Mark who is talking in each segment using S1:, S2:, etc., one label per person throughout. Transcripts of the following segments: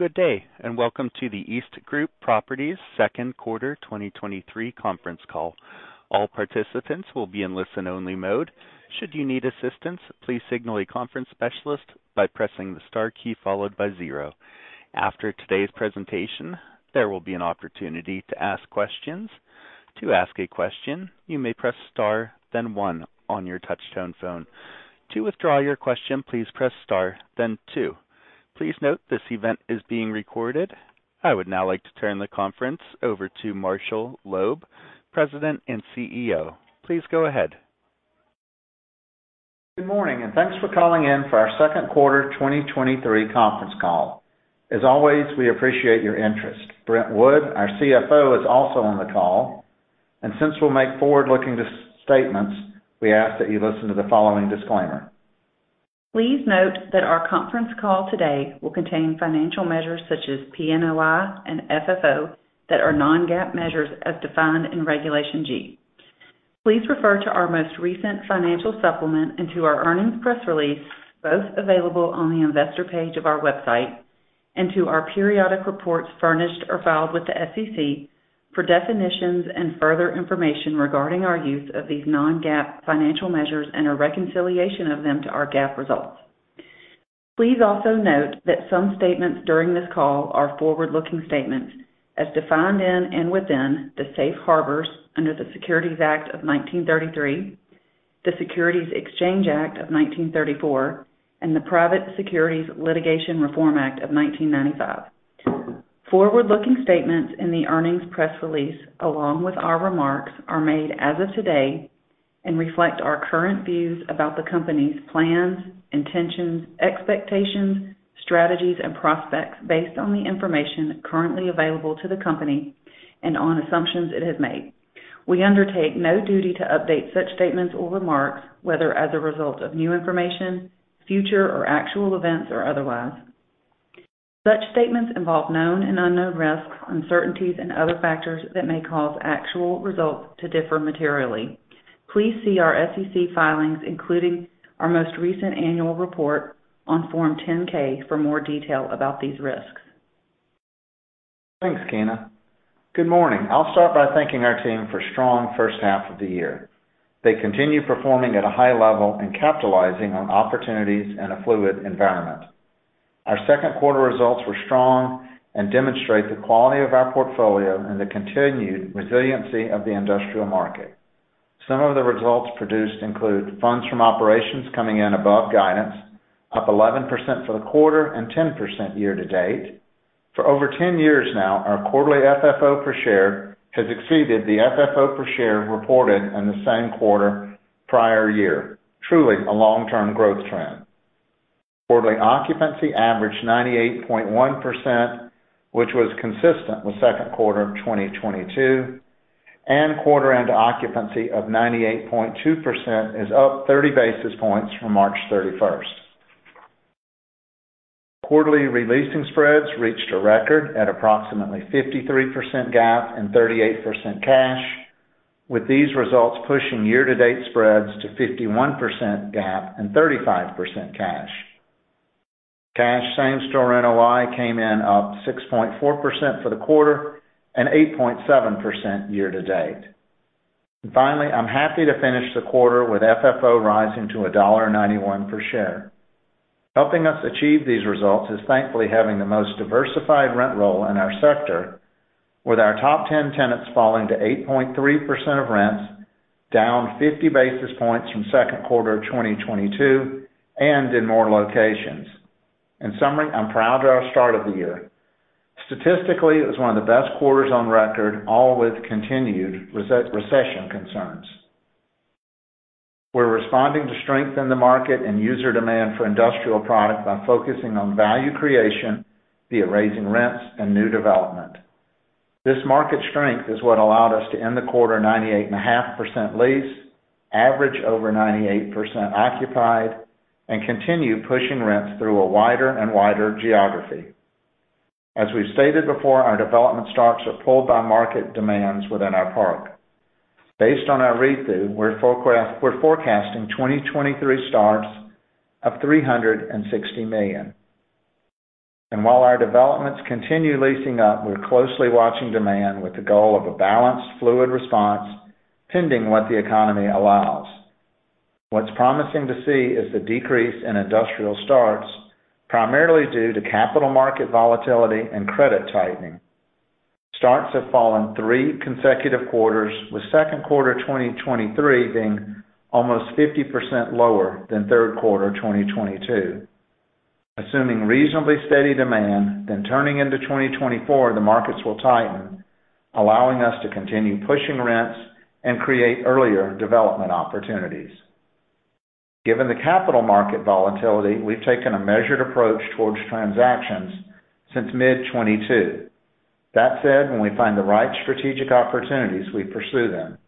S1: Good day, welcome to the EastGroup Properties Second Quarter 2023 conference call. All participants will be in listen-only mode. Should you need assistance, please signal a conference specialist by pressing the Star key followed by 0. After today's presentation, there will be an opportunity to ask questions. To ask a question, you may press Star, then one on your touchtone phone. To withdraw your question, please press Star, then two. Please note this event is being recorded. I would now like to turn the conference over to Marshall Loeb, President and CEO. Please go ahead.
S2: Good morning. Thanks for calling in for our second quarter 2023 conference call. As always, we appreciate your interest. Brent Wood, our CFO, is also on the call, and since we'll make forward-looking statements, we ask that you listen to the following disclaimer.
S3: Please note that our conference call today will contain financial measures such as PNOI and FFO that are non-GAAP measures as defined in Regulation G. Please refer to our most recent financial supplement and to our earnings press release, both available on the investor page of our website, and to our periodic reports furnished or filed with the SEC for definitions and further information regarding our use of these non-GAAP financial measures and a reconciliation of them to our GAAP results. Please also note that some statements during this call are forward-looking statements as defined in and within the safe harbors under the Securities Act of 1933, the Securities Exchange Act of 1934, and the Private Securities Litigation Reform Act of 1995. Forward-looking statements in the earnings press release, along with our remarks, are made as of today and reflect our current views about the company's plans, intentions, expectations, strategies, and prospects based on the information currently available to the company and on assumptions it has made. We undertake no duty to update such statements or remarks, whether as a result of new information, future or actual events, or otherwise. Such statements involve known and unknown risks, uncertainties, and other factors that may cause actual results to differ materially. Please see our SEC filings, including our most recent annual report on Form 10-K for more detail about these risks.
S2: Thanks, Keena. Good morning. I'll start by thanking our team for a strong first half of the year. They continue performing at a high level and capitalizing on opportunities in a fluid environment. Our second quarter results were strong and demonstrate the quality of our portfolio and the continued resiliency of the industrial market. Some of the results produced include funds from operations coming in above guidance, up 11% for the quarter and 10% year-to-date. For over 10 years now, our quarterly FFO per share has exceeded the FFO per share reported in the same quarter prior year. Truly a long-term growth trend. Quarterly occupancy averaged 98.1%, which was consistent with second quarter of 2022, and quarter end occupancy of 98.2% is up 30 basis points from March 31st. Quarterly releasing spreads reached a record at approximately 53% GAAP and 38% cash, with these results pushing year-to-date spreads to 51% GAAP and 35% cash. Cash same store NOI came in up 6.4% for the quarter and 8.7% year-to-date. Finally, I'm happy to finish the quarter with FFO rising to $1.91 per share. Helping us achieve these results is thankfully having the most diversified rent roll in our sector, with our top 10 tenants falling to 8.3% of rents, down 50 basis points from second quarter of 2022, and in more locations. In summary, I'm proud of our start of the year. Statistically, it was one of the best quarters on record, all with continued recession concerns. We're responding to strength in the market and user demand for industrial product by focusing on value creation, via raising rents and new development. This market strength is what allowed us to end the quarter 98.5% lease, average over 98% occupied, and continue pushing rents through a wider and wider geography. As we've stated before, our development starts are pulled by market demands within our park. Based on our read-through, we're forecasting 2023 starts of $360 million. While our developments continue leasing up, we're closely watching demand with the goal of a balanced, fluid response, pending what the economy allows. What's promising to see is the decrease in industrial starts, primarily due to capital market volatility and credit tightening. Starts have fallen three consecutive quarters, with second quarter 2023 being almost 50% lower than third quarter 2022. Assuming reasonably steady demand, turning into 2024, the markets will tighten, allowing us to continue pushing rents and create earlier development opportunities. Given the capital market volatility, we've taken a measured approach towards transactions since mid-2022. That said, when we find the right strategic opportunities, we pursue them.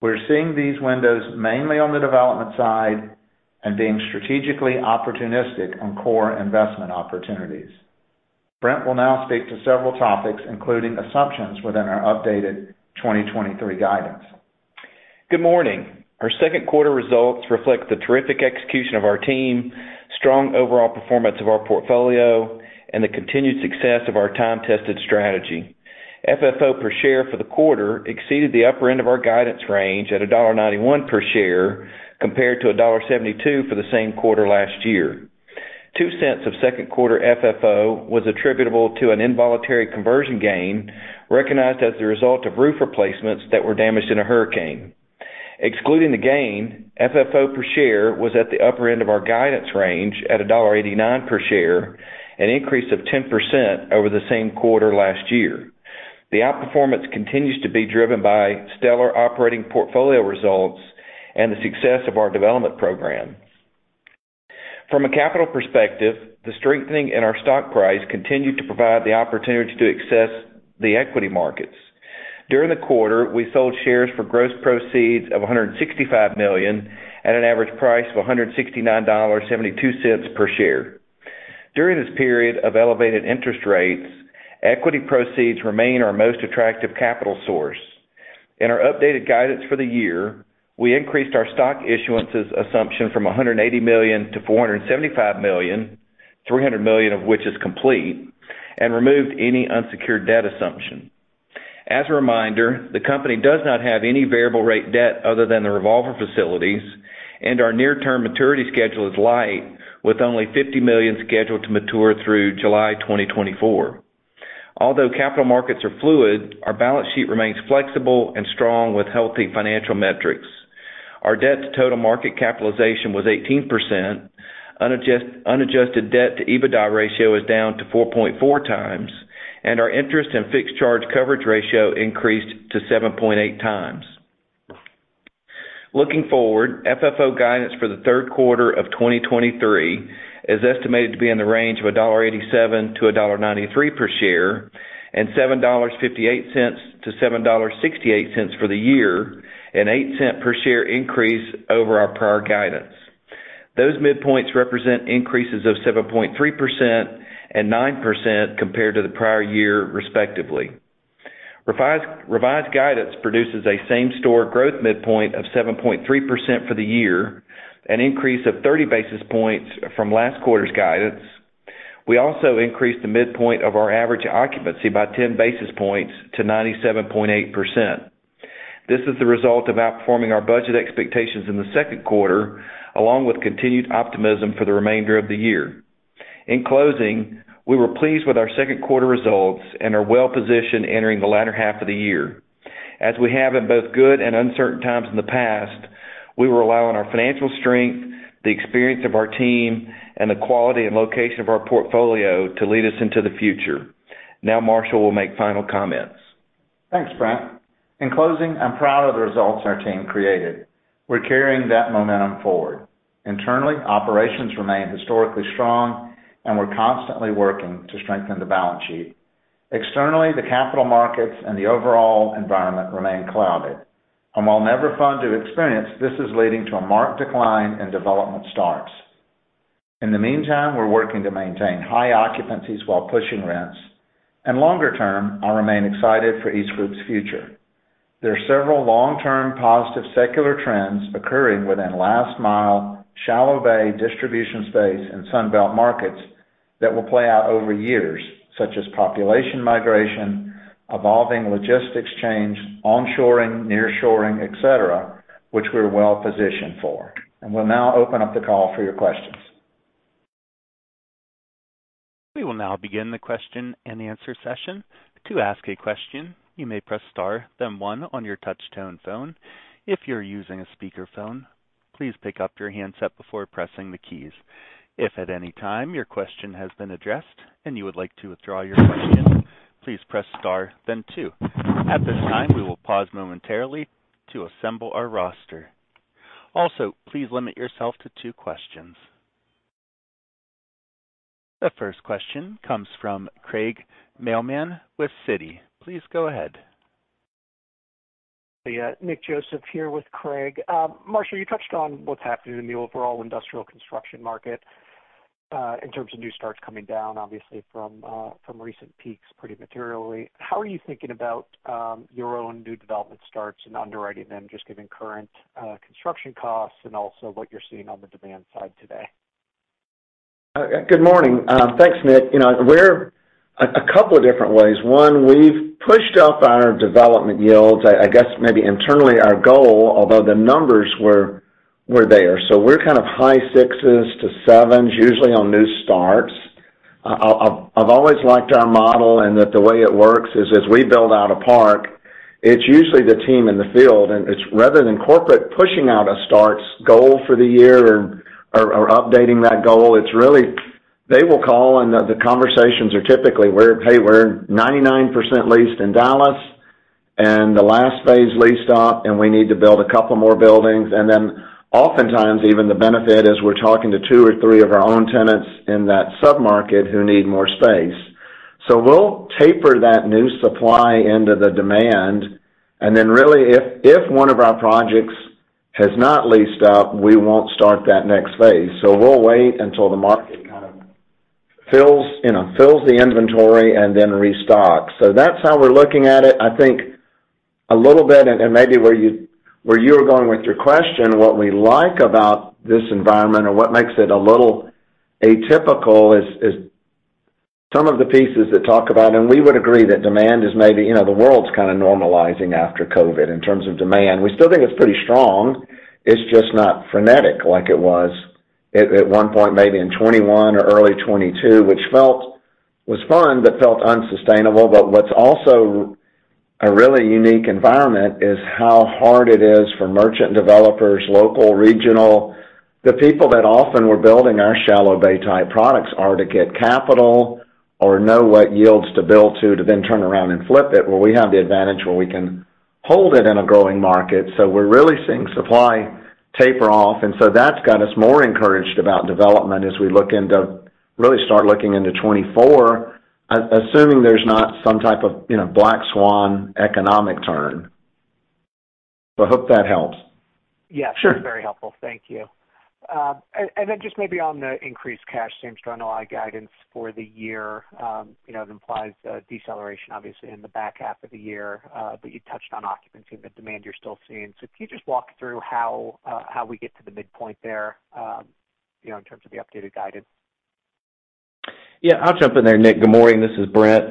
S2: We're seeing these windows mainly on the development side and being strategically opportunistic on core investment opportunities. Brent will now speak to several topics, including assumptions within our updated 2023 guidance.
S4: Good morning. Our second quarter results reflect the terrific execution of our team, strong overall performance of our portfolio, and the continued success of our time-tested strategy. FFO per share for the quarter exceeded the upper end of our guidance range at $1.91 per share, compared to $1.72 for the same quarter last year. $0.02 of second quarter FFO was attributable to an involuntary conversion gain, recognized as the result of roof replacements that were damaged in a hurricane. Excluding the gain, FFO per share was at the upper end of our guidance range at $1.89 per share, an increase of 10% over the same quarter last year. The outperformance continues to be driven by stellar operating portfolio results and the success of our development program. From a capital perspective, the strengthening in our stock price continued to provide the opportunity to access the equity markets. During the quarter, we sold shares for gross proceeds of $165 million at an average price of $169.72 per share. During this period of elevated interest rates, equity proceeds remain our most attractive capital source. In our updated guidance for the year, we increased our stock issuances assumption from $180 million to $475 million, $300 million of which is complete, and removed any unsecured debt assumption. As a reminder, the company does not have any variable rate debt other than the revolver facilities, and our near-term maturity schedule is light, with only $50 million scheduled to mature through July 2024. Although capital markets are fluid, our balance sheet remains flexible and strong with healthy financial metrics. Our debt to total market capitalization was 18%. Unadjusted debt to EBITDA ratio is down to 4.4x, and our interest and fixed charge coverage ratio increased to 7.8x. Looking forward, FFO guidance for the third quarter of 2023 is estimated to be in the range of $1.87-$1.93 per share, and $7.58-$7.68 for the year, a $0.08 per share increase over our prior guidance. Those midpoints represent increases of 7.3% and 9% compared to the prior year, respectively. Revised guidance produces a same-store growth midpoint of 7.3% for the year, an increase of 30 basis points from last quarter's guidance. We also increased the midpoint of our average occupancy by 10 basis points to 97.8%. This is the result of outperforming our budget expectations in the second quarter, along with continued optimism for the remainder of the year. In closing, we were pleased with our second quarter results and are well positioned entering the latter half of the year. As we have in both good and uncertain times in the past, we were relying on our financial strength, the experience of our team, and the quality and location of our portfolio to lead us into the future. Now, Marshall will make final comments.
S2: Thanks, Brent. In closing, I'm proud of the results our team created. We're carrying that momentum forward. Internally, operations remain historically strong, and we're constantly working to strengthen the balance sheet. Externally, the capital markets and the overall environment remain clouded. While never fun to experience, this is leading to a marked decline in development starts. In the meantime, we're working to maintain high occupancies while pushing rents. Longer term, I'll remain excited for EastGroup's future. There are several long-term, positive secular trends occurring within last mile, shallow bay distribution space in Sunbelt markets that will play out over years, such as population migration, evolving logistics change, on-shoring, near-shoring, et cetera, which we're well positioned for. We'll now open up the call for your questions.
S1: We will now begin the question-and-answer session. To ask a question, you may press star, then one on your touchtone phone. If you're using a speakerphone, please pick up your handset before pressing the keys. If at any time your question has been addressed and you would like to withdraw your question, please press star then two. At this time, we will pause momentarily to assemble our roster. Also, please limit yourself to two questions. The first question comes from Craig Mailman with Citi. Please go ahead.
S5: Yeah. Nick Joseph here with Craig. Marshall, you touched on what's happening in the overall industrial construction market, in terms of new starts coming down, obviously from recent peaks pretty materially. How are you thinking about your own new development starts and underwriting them, just given current construction costs and also what you're seeing on the demand side today?
S2: Good morning. Thanks, Nick. You know, we're a couple of different ways. One, we've pushed up our development yields. I guess maybe internally our goal, although the numbers were there, so we're kind of high sixes to sevens, usually on new starts. I've always liked our model and that the way it works is, as we build out a park, it's usually the team in the field, and it's rather than corporate pushing out a starts goal for the year or updating that goal, it's really. They will call, and the conversations are typically: "We're hey, we're 99% leased in Dallas, and the last phase leased up, and we need to build a couple more buildings." Oftentimes, even the benefit is we're talking to two or three of our own tenants in that submarket who need more space. We'll taper that new supply into the demand, and then really, if one of our projects has not leased out, we won't start that next phase. We'll wait until the market kind of. Fills, you know, fills the inventory and then restocks. That's how we're looking at it. I think a little bit, and maybe where you were going with your question, what we like about this environment or what makes it a little atypical is some of the pieces that talk about, and we would agree that demand is maybe, you know, the world's kind of normalizing after COVID in terms of demand. We still think it's pretty strong. It's just not frenetic like it was at one point, maybe in 2021 or early 2022, which felt was fun, but felt unsustainable. What's also a really unique environment is how hard it is for merchant developers, local, regional, the people that often were building our shallow bay-type products, are to get capital or know what yields to build to then turn around and flip it, where we have the advantage, where we can hold it in a growing market. We're really seeing supply taper off, that's got us more encouraged about development as we really start looking into 2024, assuming there's not some type of, you know, black swan economic turn. I hope that helps.
S5: Yes.
S2: Sure.
S5: Very helpful. Thank you. Then just maybe on the increased cash same-store NOI guidance for the year, you know, it implies a deceleration, obviously, in the back half of the year, but you touched on occupancy and the demand you're still seeing. Can you just walk through how we get to the midpoint there, you know, in terms of the updated guidance?
S4: Yeah. I'll jump in there, Nick. Good morning, this is Brent.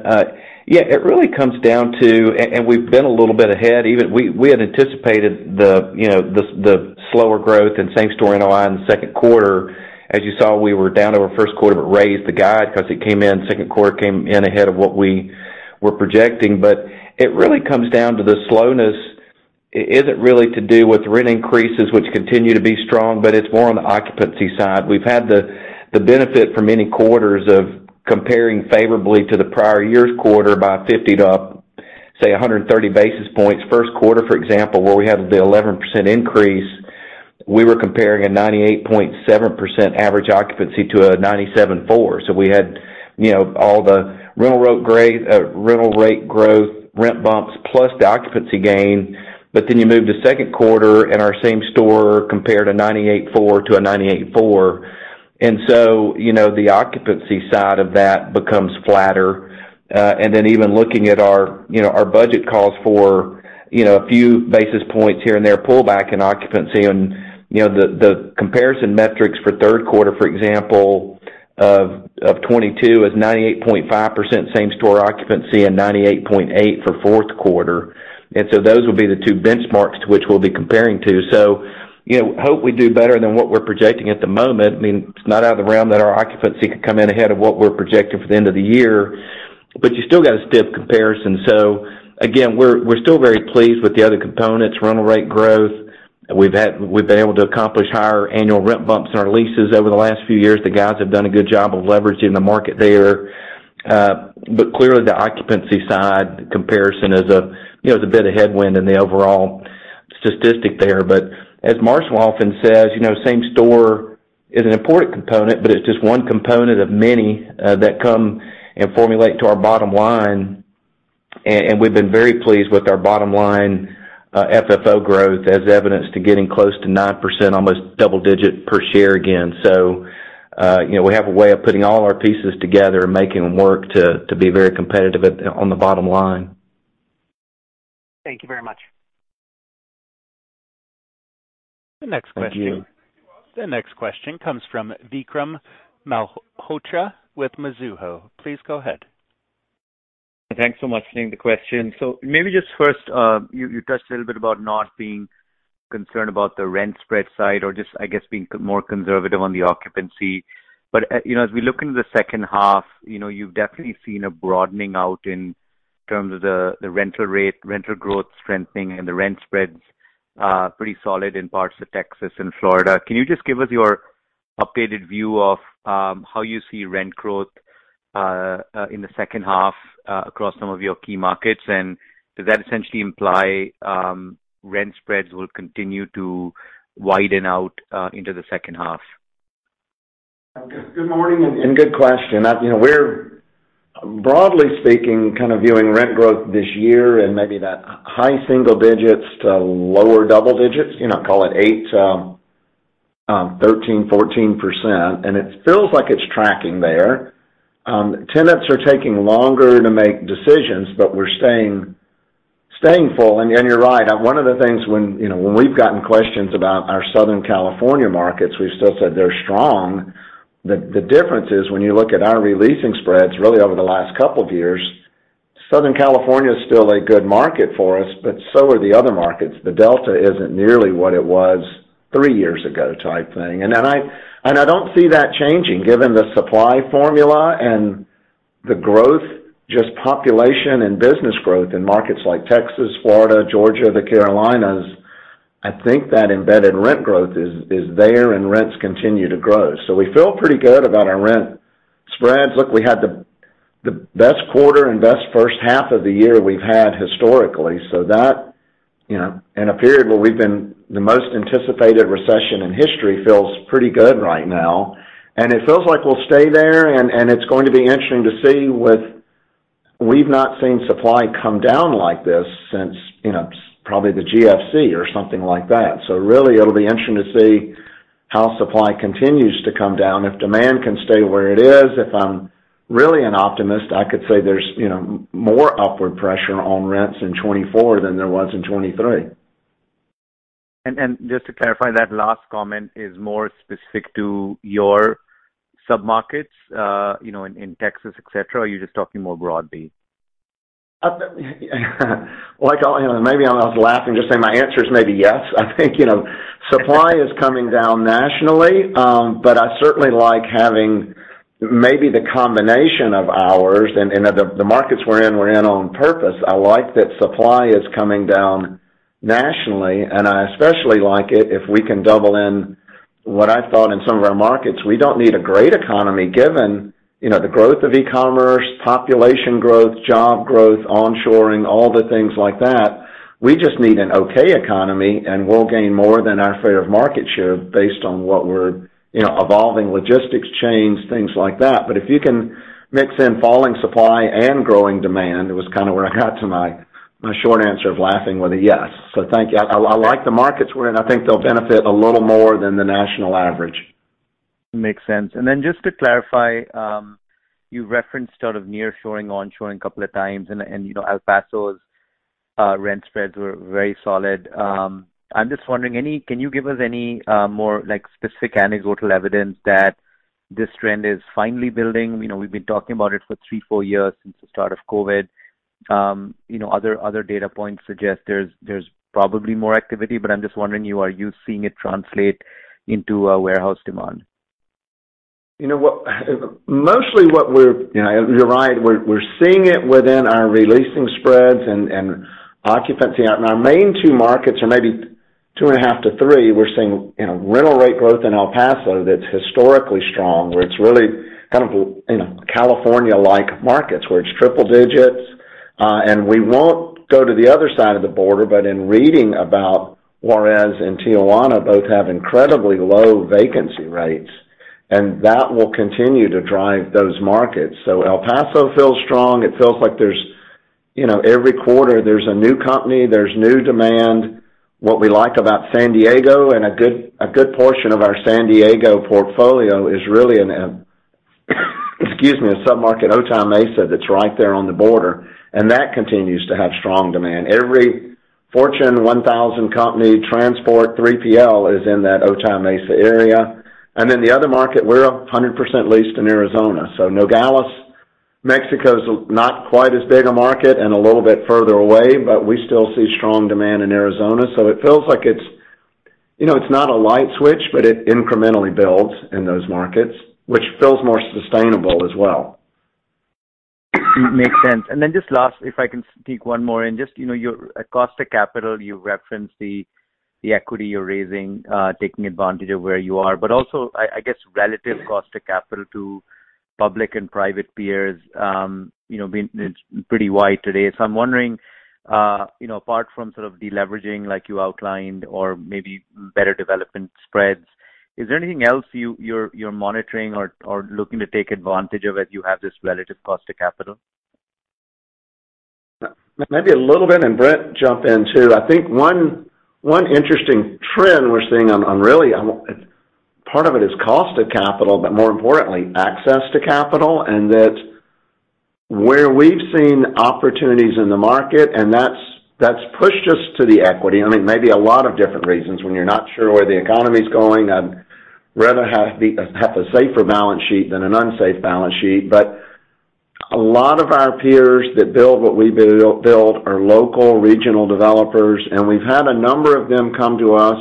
S4: Yeah, it really comes down to. We've been a little bit ahead. Even we had anticipated the, you know, the slower growth in same-store NOI in the second quarter. As you saw, we were down over first quarter, raised the guide because it came in, second quarter came in ahead of what we were projecting. It really comes down to the slowness. It isn't really to do with rent increases, which continue to be strong, but it's more on the occupancy side. We've had the benefit for many quarters of comparing favorably to the prior year's quarter by 50 to, say, 130 basis points. First quarter, for example, where we had the 11% increase, we were comparing a 98.7% average occupancy to a 97.4. We had, you know, all the rental growth rate, rental rate growth, rent bumps, plus the occupancy gain. You move to second quarter, and our same store compared a 98.4 to a 98.4. You know, the occupancy side of that becomes flatter. Even looking at our, you know, our budget calls for, you know, a few basis points here and there, pullback in occupancy. You know, the comparison metrics for third quarter, for example, of 2022, is 98.5% same-store occupancy and 98.8 for fourth quarter. Those will be the two benchmarks to which we'll be comparing to. You know, hope we do better than what we're projecting at the moment. I mean, it's not out of the realm that our occupancy could come in ahead of what we're projecting for the end of the year, but you still got a stiff comparison. Again, we're still very pleased with the other components. Rental rate growth, we've been able to accomplish higher annual rent bumps in our leases over the last few years. The guys have done a good job of leveraging the market there. Clearly, the occupancy side comparison is a, you know, is a bit of headwind in the overall statistic there. As Marshall often says, you know, same store is an important component, but it's just one component of many that come and formulate to our bottom line. We've been very pleased with our bottom line, FFO growth, as evidenced to getting close to 9%, almost double-digit per share again. You know, we have a way of putting all our pieces together and making them work to be very competitive at, on the bottom line.
S5: Thank you very much.
S2: Thank you.
S1: The next question comes from Vikram Malhotra with Mizuho. Please go ahead.
S6: Thanks so much for taking the question. Maybe just first, you touched a little bit about not being concerned about the rent spread side or just, I guess, being more conservative on the occupancy. You know, as we look into the second half, you know, you've definitely seen a broadening out in terms of the rental rate, rental growth strengthening and the rent spreads pretty solid in parts of Texas and Florida. Can you just give us your updated view of how you see rent growth in the second half across some of your key markets? Does that essentially imply rent spreads will continue to widen out into the second half? Good morning, and good question.
S2: You know, we're, broadly speaking, kind of viewing rent growth this year and maybe that high single digits to lower double digits, you know, call it 8%, 13%, 14%, and it feels like it's tracking there. Tenants are taking longer to make decisions, but we're staying full. You're right, one of the things when, you know, when we've gotten questions about our Southern California markets, we've still said they're strong. The difference is, when you look at our re-leasing spreads, really over the last couple of years, Southern California is still a good market for us, but so are the other markets. The delta isn't nearly what it was three years ago, type thing. I don't see that changing, given the supply formula and the growth, just population and business growth in markets like Texas, Florida, Georgia, the Carolinas. I think that embedded rent growth is there, and rents continue to grow. We feel pretty good about our rent spreads. Look, we had the best quarter and best first half of the year we've had historically, so that, you know, in a period where we've been the most anticipated recession in history, feels pretty good right now, and it feels like we'll stay there. It's going to be interesting to see. We've not seen supply come down like this since, you know, probably the GFC or something like that. Really, it'll be interesting to see how supply continues to come down, if demand can stay where it is. If I'm really an optimist, I could say there's, you know, more upward pressure on rents in 2024 than there was in 2023.
S6: Just to clarify, that last comment is more specific to your submarkets, you know, in Texas, et cetera, or you're just talking more broadly?
S2: Well, like, you know, maybe I was laughing just saying my answer is maybe yes. I think, you know, supply is coming down nationally, I certainly like having maybe the combination of ours and the markets we're in on purpose. I like that supply is coming down nationally, I especially like it if we can double in what I thought in some of our markets. We don't need a great economy, given, you know, the growth of e-commerce, population growth, job growth, onshoring, all the things like that. We just need an okay economy, we'll gain more than our fair market share based on what we're, you know, evolving logistics chains, things like that. If you can mix in falling supply and growing demand, it was kind of where I got to my short answer of laughing with a yes. Thank you. I like the markets we're in. I think they'll benefit a little more than the national average.
S6: Makes sense. Then just to clarify, you referenced sort of nearshoring, onshoring a couple of times, and, you know, El Paso's rent spreads were very solid. I'm just wondering, can you give us any more, like, specific anecdotal evidence that this trend is finally building? You know, we've been talking about it for three, four years since the start of COVID. You know, other data points suggest there's probably more activity, but I'm just wondering, are you seeing it translate into warehouse demand?
S2: You know what? Mostly what we're. You know, you're right. We're seeing it within our releasing spreads and occupancy. Our main two markets are maybe 2.5-3. We're seeing, you know, rental rate growth in El Paso that's historically strong, where it's really kind of, you know, California-like markets, where it's triple digits. We won't go to the other side of the border, but in reading about Juárez and Tijuana, both have incredibly low vacancy rates, and that will continue to drive those markets. El Paso feels strong. It feels like there's, you know, every quarter there's a new company, there's new demand. What we like about San Diego and a good portion of our San Diego portfolio is really in a, excuse me, a submarket, Otay Mesa, that's right there on the border. That continues to have strong demand. Every Fortune 1000 company, transport, 3PL, is in that Otay Mesa area. The other market, we're 100% leased in Arizona. Nogales, Mexico is not quite as big a market and a little bit further away. We still see strong demand in Arizona. It feels like it's, you know, it's not a light switch. It incrementally builds in those markets, which feels more sustainable as well.
S6: Makes sense. Just last, if I can sneak one more in. Just, you know, your cost of capital, you referenced the equity you're raising, taking advantage of where you are, but also, I guess, relative cost of capital to public and private peers, you know, it's pretty wide today. I'm wondering, you know, apart from sort of deleveraging like you outlined or maybe better development spreads, is there anything else you're monitoring or looking to take advantage of as you have this relative cost of capital?
S2: Maybe a little bit. Brent, jump in, too. I think one interesting trend we're seeing on really, part of it is cost of capital, but more importantly, access to capital, and that where we've seen opportunities in the market, that's pushed us to the equity. I mean, maybe a lot of different reasons. When you're not sure where the economy is going, I'd rather have a safer balance sheet than an unsafe balance sheet. A lot of our peers that build what we build are local, regional developers, and we've had a number of them come to us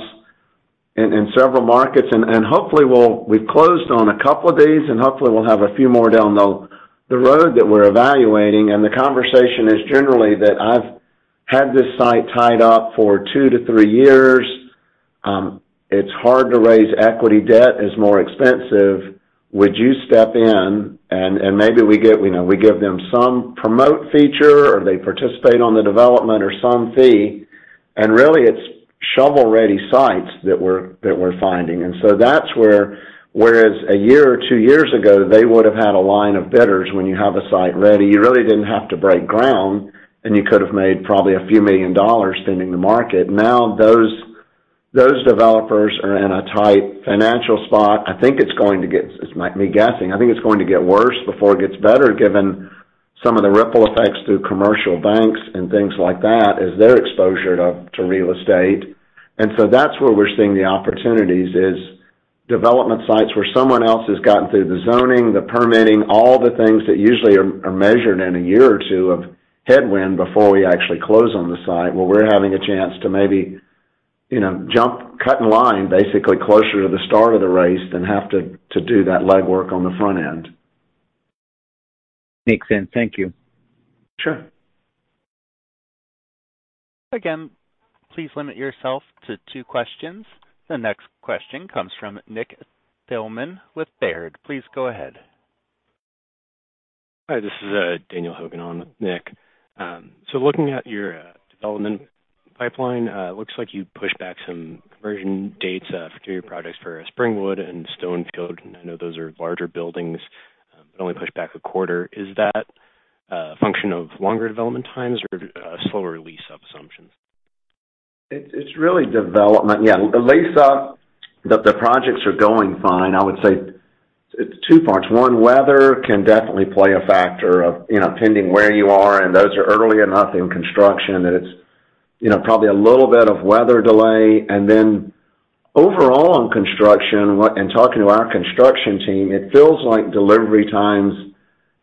S2: in several markets, and hopefully, we've closed on a couple of these, and hopefully, we'll have a few more down the road that we're evaluating. The conversation is generally that I've had this site tied up for two to three years. It's hard to raise equity. Debt is more expensive. Would you step in? Maybe we give, you know, we give them some promote feature, or they participate on the development or some fee, and really, it's shovel-ready sites that we're finding. That's where, whereas a year or two years ago, they would've had a line of bidders. When you have a site ready, you really didn't have to break ground, and you could have made probably a few million dollars depending the market. Now, those developers are in a tight financial spot. I think it's going to get, this might be guessing, I think it's going to get worse before it gets better, given some of the ripple effects through commercial banks and things like that, is their exposure to real estate. That's where we're seeing the opportunities, is development sites where someone else has gotten through the zoning, the permitting, all the things that usually are measured in a year or two of headwind before we actually close on the site, where we're having a chance to maybe, you know, jump, cut in line, basically closer to the start of the race than have to do that legwork on the front end.
S6: Makes sense. Thank you.
S2: Sure.
S1: Again, please limit yourself to two questions. The next question comes from Nick Thillman with Baird. Please go ahead.
S7: Hi, this is Daniel Hogan on with Nick. Looking at your development pipeline, it looks like you pushed back some conversion dates for two projects for Springwood and Stonefield. I know those are larger buildings, but only pushed back a quarter. Is that a function of longer development times or slower lease-up assumptions?
S2: It's really development. Yeah, the lease-up, the projects are going fine. I would say it's two parts. One, weather can definitely play a factor of, you know, depending where you are, and those are early enough in construction, that it's, you know, probably a little bit of weather delay. Overall, on construction, in talking to our construction team, it feels like delivery times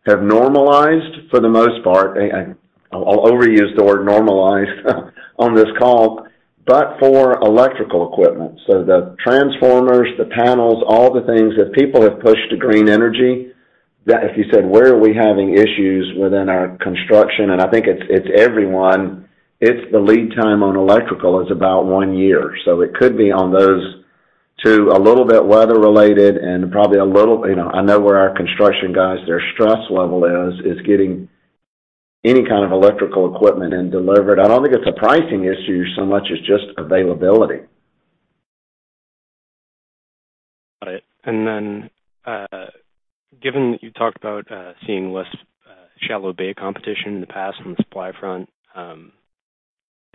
S2: have normalized for the most part. I'll overuse the word normalized on this call, but for electrical equipment. The transformers, the panels, all the things that people have pushed to green energy, that if you said, "Where are we having issues within our construction?" I think it's everyone, it's the lead time on electrical is about one year. It could be on those two, a little bit weather related and probably a little, you know. I know where our construction guys, their stress level is getting any kind of electrical equipment and delivered. I don't think it's a pricing issue so much as just availability.
S7: Got it. Given that you talked about seeing less shallow bay competition in the past on the supply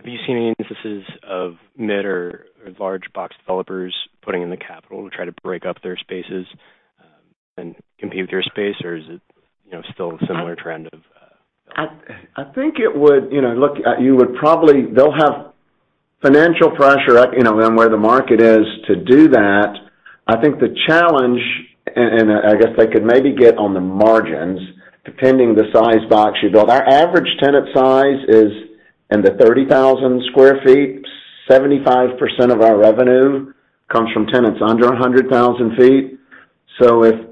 S7: front, have you seen any instances of mid or large box developers putting in the capital to try to break up their spaces and compete with your space? Or is it, you know, still a similar trend of.
S2: I think it would, you know, look, They'll have financial pressure, you know, on where the market is to do that. I think the challenge, and I guess they could maybe get on the margins, depending the size box you build. Our average tenant size is in the 30,000 sq ft. 75% of our revenue comes from tenants under 100,000 ft.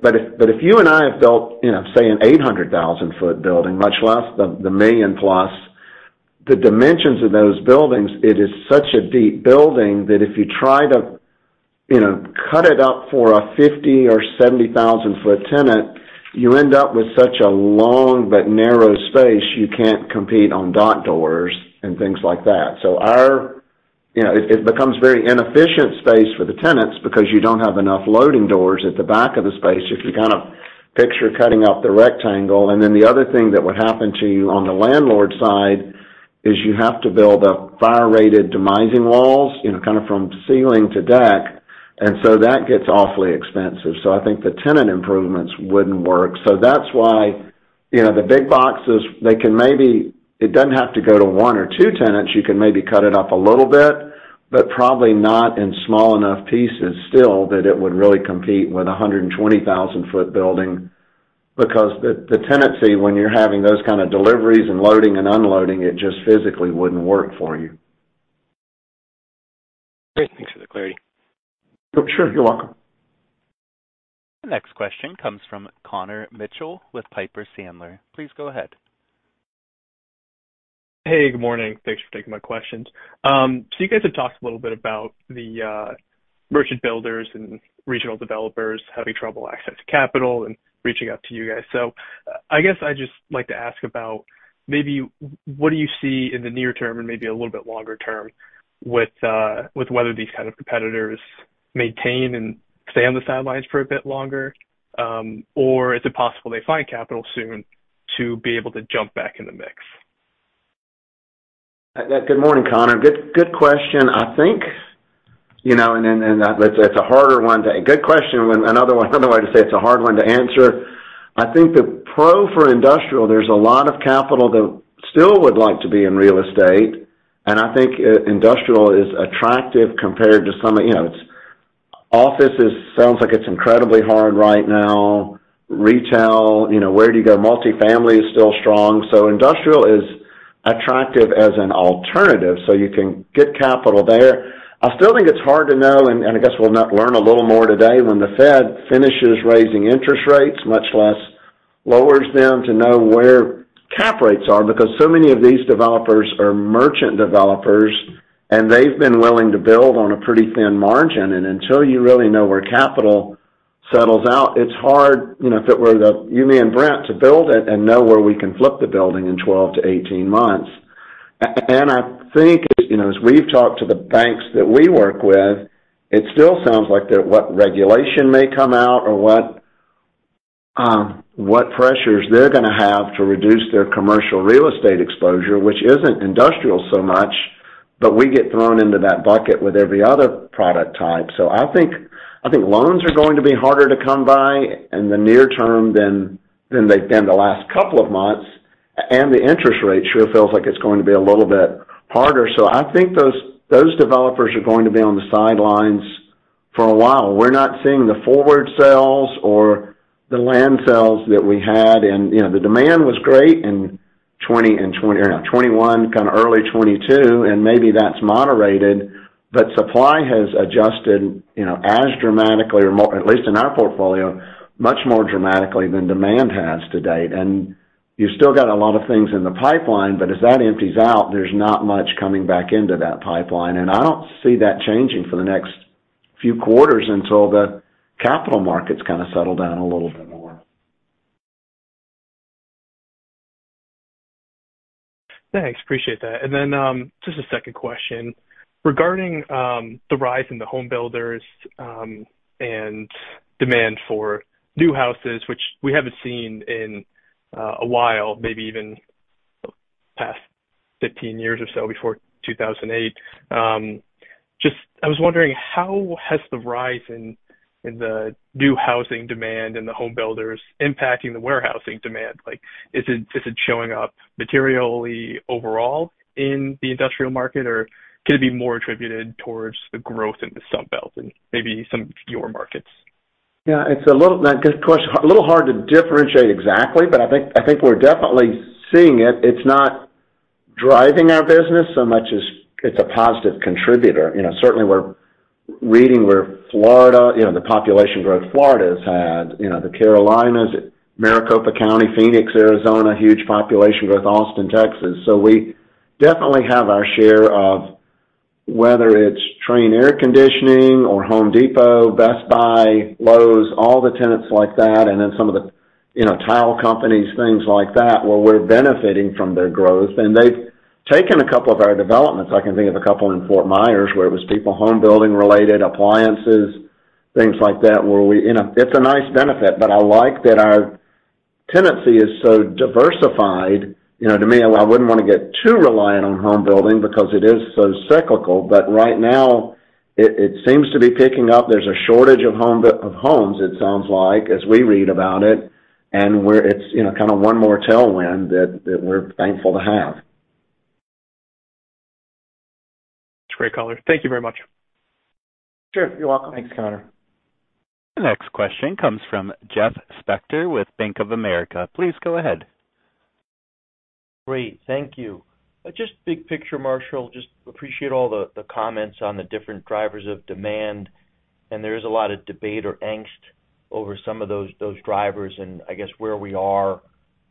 S2: But if you and I have built, you know, say, an 800,000 foot building, much less the 1 million plus, the dimensions of those buildings, it is such a deep building that if you try to, you know, cut it up for a 50,000 or 70,000 foot tenant, you end up with such a long but narrow space, you can't compete on dock doors and things like that. So our. You know, it becomes very inefficient space for the tenants because you don't have enough loading doors at the back of the space if you kind of picture cutting out the rectangle. The other thing that would happen to you on the landlord side is you have to build up fire-rated demising walls, you know, kind of from ceiling to deck, that gets awfully expensive. I think the tenant improvements wouldn't work. That's why, you know, the big boxes. It doesn't have to go to one or two tenants. You can maybe cut it up a little bit, but probably not in small enough pieces still that it would really compete with a 120,000 foot building, because the tenancy, when you're having those kind of deliveries and loading and unloading, it just physically wouldn't work for you.
S7: Great, thanks for the clarity.
S2: Oh, sure. You're welcome.
S1: The next question comes from Connor Mitchell with Piper Sandler. Please go ahead.
S8: Hey, good morning. Thanks for taking my questions. You guys have talked a little bit about the merchant builders and regional developers having trouble accessing capital and reaching out to you guys. I guess I'd just like to ask about maybe, what do you see in the near term and maybe a little bit longer term with whether these kind of competitors maintain and stay on the sidelines for a bit longer, or is it possible they find capital soon to be able to jump back in the mix?
S2: Good morning, Connor. Good question. I think, you know. Good question, another one, another way to say it's a hard one to answer. I think the pro for industrial, there's a lot of capital that still would like to be in real estate, I think industrial is attractive compared to some, you know, it's. Offices sounds like it's incredibly hard right now. Retail, you know, where do you go? Multifamily is still strong, industrial is attractive as an alternative, you can get capital there. I still think it's hard to know, and I guess we'll learn a little more today when the Fed finishes raising interest rates, much less lowers them to know where cap rates are, because so many of these developers are merchant developers, and they've been willing to build on a pretty thin margin. Until you really know where capital settles out, it's hard, you know, if it were you, me, and Brent to build it and know where we can flip the building in 12 to 18 months. I think, you know, as we've talked to the banks that we work with, it still sounds like that what regulation may come out or what pressures they're gonna have to reduce their commercial real estate exposure, which isn't industrial so much, but we get thrown into that bucket with every other product type. I think loans are going to be harder to come by in the near term than they've been the last couple of months, and the interest rate sure feels like it's going to be a little bit harder. I think those developers are going to be on the sidelines for a while. We're not seeing the forward sales or the land sales that we had, and, you know, the demand was great in 2020 and 2021, kind of early 2022, and maybe that's moderated, but supply has adjusted, you know, as dramatically or more, at least in our portfolio, much more dramatically than demand has to date. You've still got a lot of things in the pipeline, but as that empties out, there's not much coming back into that pipeline. I don't see that changing for the next few quarters until the capital markets kind of settle down a little bit more.
S8: Thanks, appreciate that. Just a second question. Regarding the rise in the home builders and demand for new houses, which we haven't seen in a while, maybe even the past 15 years or so, before 2008. Just, I was wondering, how has the rise in the new housing demand and the home builders impacting the warehousing demand? Like, is it showing up materially overall in the industrial market, or could it be more attributed towards the growth in the Sunbelt and maybe some fewer markets?
S2: Yeah, it's a little, that good question. A little hard to differentiate exactly, but I think, I think we're definitely seeing it. It's not driving our business so much as it's a positive contributor. You know, certainly we're reading where Florida, you know, the population growth Florida has had, you know, the Carolinas, Maricopa County, Phoenix, Arizona, huge population growth, Austin, Texas. We definitely have our share of whether it's Trane air conditioning or Home Depot, Best Buy, Lowe's, all the tenants like that, and then some of the, you know, tile companies, things like that, where we're benefiting from their growth. They've taken a couple of our developments. I can think of a couple in Fort Myers, where it was people home building-related, appliances, things like that. You know, it's a nice benefit, but I like that our tenancy is so diversified. You know, to me, I wouldn't wanna get too reliant on home building because it is so cyclical. Right now, it seems to be picking up. There's a shortage of homes, it sounds like, as we read about it, and It's, you know, kind of one more tailwind that we're thankful to have.
S8: Great color. Thank you very much.
S2: Sure. You're welcome.
S4: Thanks, Connor.
S1: The next question comes from Jeffrey Spector with Bank of America. Please go ahead.
S9: Great. Thank you. Just big picture, Marshall, just appreciate all the comments on the different drivers of demand. There is a lot of debate or angst over some of those drivers. I guess where we are,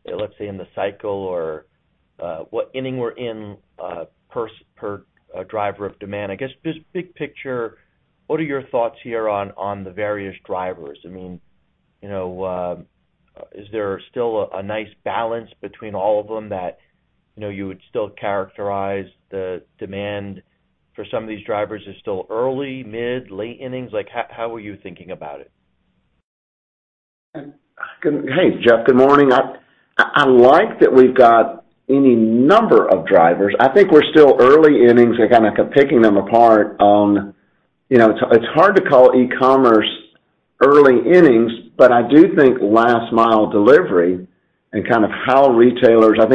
S9: let's say, in the cycle or, what inning we're in, per driver of demand. I guess just big picture, what are your thoughts here on the various drivers? I mean, you know, is there still a nice balance between all of them that, you know, you would still characterize the demand for some of these drivers as still early, mid, late innings? Like, how are you thinking about it?
S2: Hey, Jeff, good morning. I like that we've got any number of drivers. I think we're still early innings and kind of picking them apart on. You know, it's hard to call e-commerce early innings, but I do think last mile delivery and kind of how retailers, as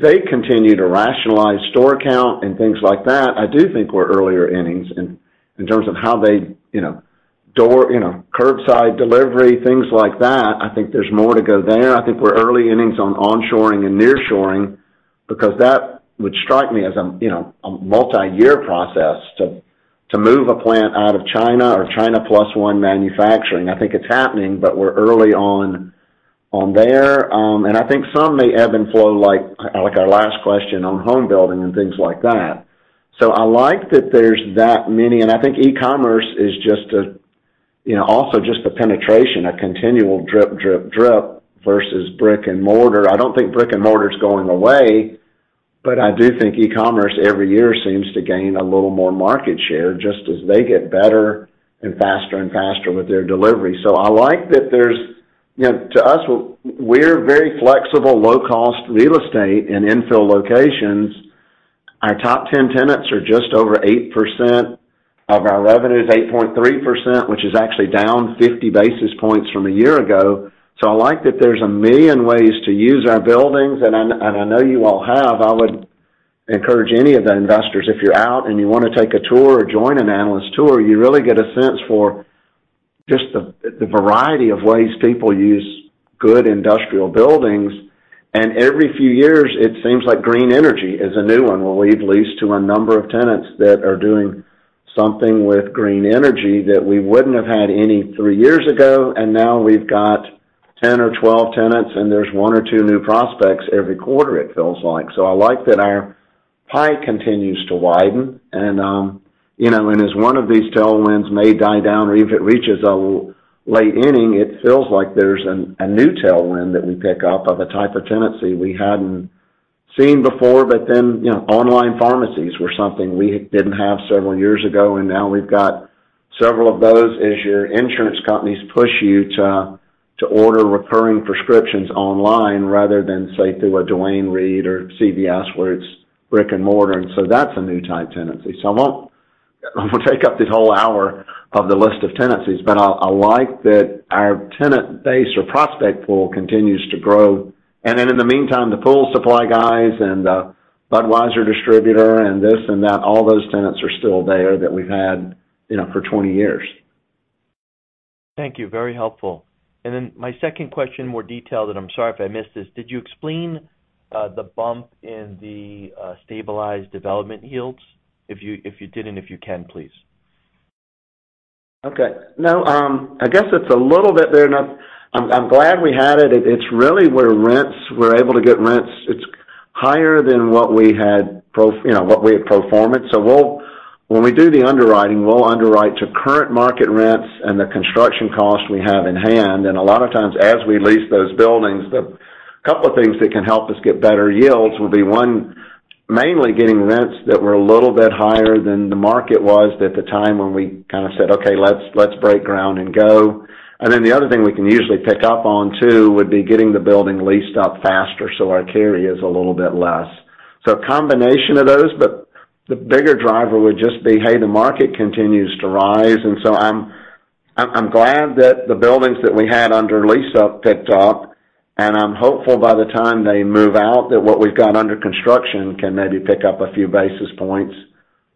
S2: they continue to rationalize store count and things like that, I do think we're earlier innings in terms of how they, you know, door, you know, curbside delivery, things like that. I think there's more to go there. I think we're early innings on onshoring and nearshoring, because that would strike me as a, you know, a multiyear process to move a plant out of China or China Plus One manufacturing. I think it's happening, but we're early on there. I think some may ebb and flow, like our last question on home building and things like that. I like that there's that many, and I think e-commerce is just a penetration, a continual drip, drip versus brick-and-mortar. I don't think brick-and-mortar is going away, but I do think e-commerce every year seems to gain a little more market share, just as they get better and faster and faster with their delivery. I like that there's.. You know, to us, we're very flexible, low-cost real estate in infill locations. Our top 10 tenants are just over 8% of our revenues, 8.3%, which is actually down 50 basis points from a year ago. I like that there's 1 million ways to use our buildings, and I know you all have. I would encourage any of the investors, if you're out and you wanna take a tour or join an analyst tour, you really get a sense for just the variety of ways people use good industrial buildings. Every few years, it seems like green energy is a new one, where we've leased to a number of tenants that are doing something with green energy that we wouldn't have had any three years ago, and now we've got 10 or 12 tenants, and there's one or two new prospects every quarter, it feels like. I like that our pie continues to widen. You know, as one of these tailwinds may die down or if it reaches a late inning, it feels like there's a new tailwind that we pick up of a type of tenancy we hadn't seen before. You know, online pharmacies were something we didn't have several years ago, and now we've got several of those, as your insurance companies push you to order recurring prescriptions online, rather than, say, through a Duane Reade or CVS, where it's brick-and-mortar. That's a new type tenancy. I won't take up this whole hour of the list of tenancies, but I like that our tenant base or prospect pool continues to grow. In the meantime, the pool supply guys and Budweiser distributor and this and that, all those tenants are still there, that we've had, you know, for 20 years.
S9: Thank you. Very helpful. Then my second question, more detailed, and I'm sorry if I missed this. Did you explain the bump in the stabilized development yields? If you didn't, if you can, please.
S2: No, I guess it's a little bit there. I'm glad we had it. It's really where rents, we're able to get rents higher than what we had pro forma. When we do the underwriting, we'll underwrite to current market rents and the construction costs we have in hand. A lot of times, as we lease those buildings, the couple of things that can help us get better yields will be, one, mainly getting rents that were a little bit higher than the market was at the time when we kind of said, "Okay, let's break ground and go." The other thing we can usually pick up on, too, would be getting the building leased up faster, so our carry is a little bit less. A combination of those, the bigger driver would just be, hey, the market continues to rise. I'm glad that the buildings that we had under lease up ticked up, and I'm hopeful by the time they move out, that what we've got under construction can maybe pick up a few basis points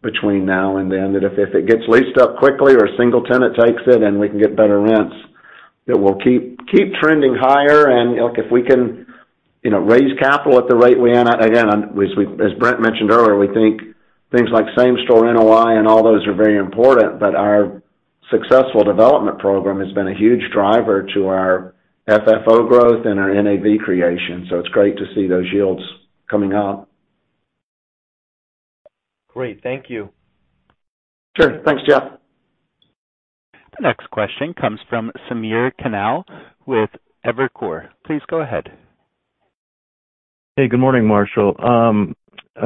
S2: between now and then. If it gets leased up quickly or a single tenant takes it, and we can get better rents, it will keep trending higher. Look, if we can, you know, raise capital at the rate we are, again, as Brent mentioned earlier, we think things like same store NOI and all those are very important, our successful development program has been a huge driver to our FFO growth and our NAV creation, it's great to see those yields coming up.
S9: Great. Thank you.
S2: Sure. Thanks, Jeff.
S1: The next question comes from Samir Khanal with Evercore. Please go ahead.
S10: Hey, good morning, Marshall.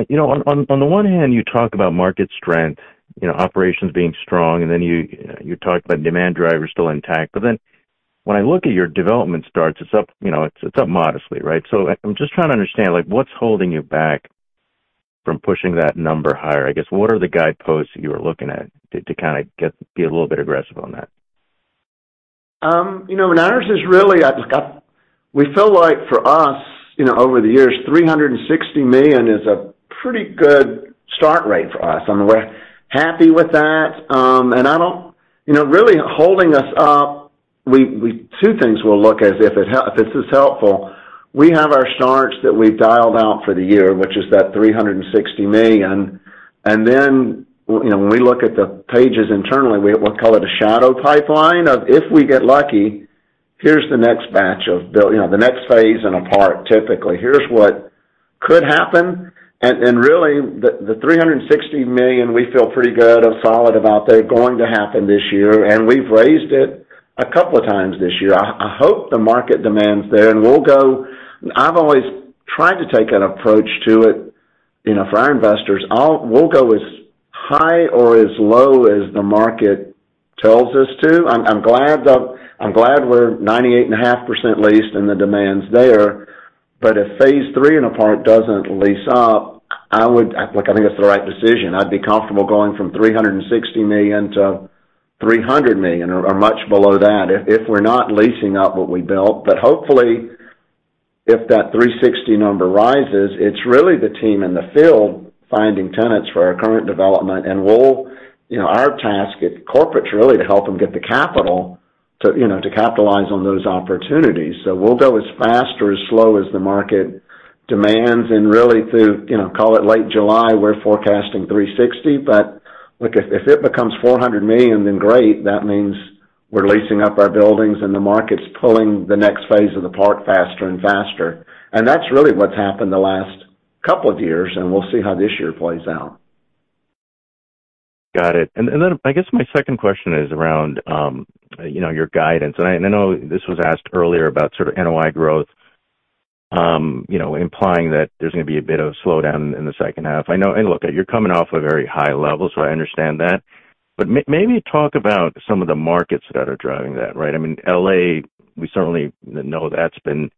S10: You know, on the one hand, you talk about market strength, you know, operations being strong, and then you talk about demand drivers still intact. When I look at your development starts, it's up, you know, it's up modestly, right? I'm just trying to understand, like, what's holding you back from pushing that number higher. I guess, what are the guideposts that you're looking at to be a little bit aggressive on that?
S2: You know, ours is really. We feel like for us, you know, over the years, $360 million is a pretty good start rate for us, and we're happy with that. You know, really holding us up, two things we'll look as if this is helpful. We have our starts that we've dialed out for the year, which is that $360 million. You know, when we look at the pages internally, we'll call it a shadow pipeline, of if we get lucky, here's the next batch of build, you know, the next phase and apart, typically. Here's what could happen. Really, the $360 million, we feel pretty good and solid about that going to happen this year, and we've raised it a couple of times this year. I hope the market demand's there, and we'll go. I've always tried to take an approach to it, you know, for our investors. We'll go as high or as low as the market tells us to. I'm glad that, I'm glad we're 98.5% leased and the demand's there. If phase three in a part doesn't lease up, I would, look, I think it's the right decision. I'd be comfortable going from $360 million to $300 million, or much below that, if we're not leasing up what we built. Hopefully, if that 360 number rises, it's really the team in the field finding tenants for our current development, and we'll, you know, our task at corporate is really to help them get the capital to, you know, to capitalize on those opportunities. We'll go as fast or as slow as the market demands, and really through, you know, call it late July, we're forecasting 360. Look, if it becomes $400 million, then great! That means we're leasing up our buildings and the market's pulling the next phase of the park faster and faster. That's really what's happened the last couple of years, and we'll see how this year plays out.
S10: Got it. I guess my second question is around, you know, your guidance. I know this was asked earlier about sort of NOI growth, you know, implying that there's gonna be a bit of a slowdown in the second half. Look, you're coming off a very high level, so I understand that. Maybe talk about some of the markets that are driving that, right? I mean, L.A., we certainly know that's been.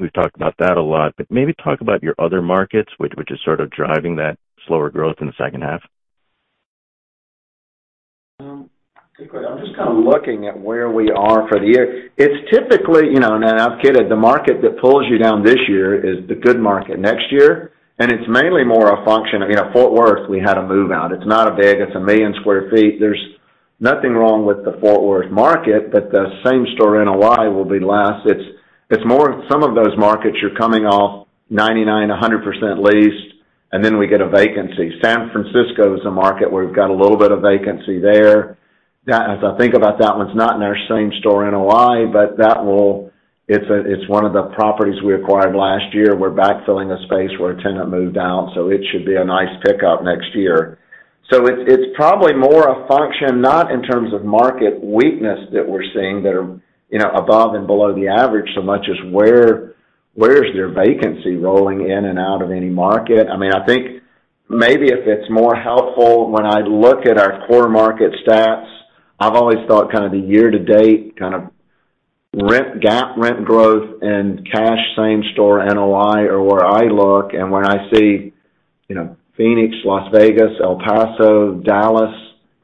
S10: We've talked about that a lot, but maybe talk about your other markets, which is sort of driving that slower growth in the second half.
S2: Good question. I'm just kind of looking at where we are for the year. It's typically, you know, I'll get it, the market that pulls you down this year is the good market next year, it's mainly more a function of, you know, Fort Worth, we had a move-out. It's not big, it's 1 million sq ft. There's nothing wrong with the Fort Worth market, the same store NOI will be less. It's more some of those markets, you're coming off 99%, 100% leased, then we get a vacancy. San Francisco is a market where we've got a little bit of vacancy there. That, as I think about that, one's not in our same store NOI, it's one of the properties we acquired last year. We're backfilling a space where a tenant moved out, so it should be a nice pickup next year. It's probably more a function, not in terms of market weakness that we're seeing, that are, you know, above and below the average, so much as where is your vacancy rolling in and out of any market? I think maybe if it's more helpful when I look at our core market stats, I've always thought kind of the year-to-date, kind of rent, gap rent growth and cash same store NOI are where I look. When I see, you know, Phoenix, Las Vegas, El Paso, Dallas,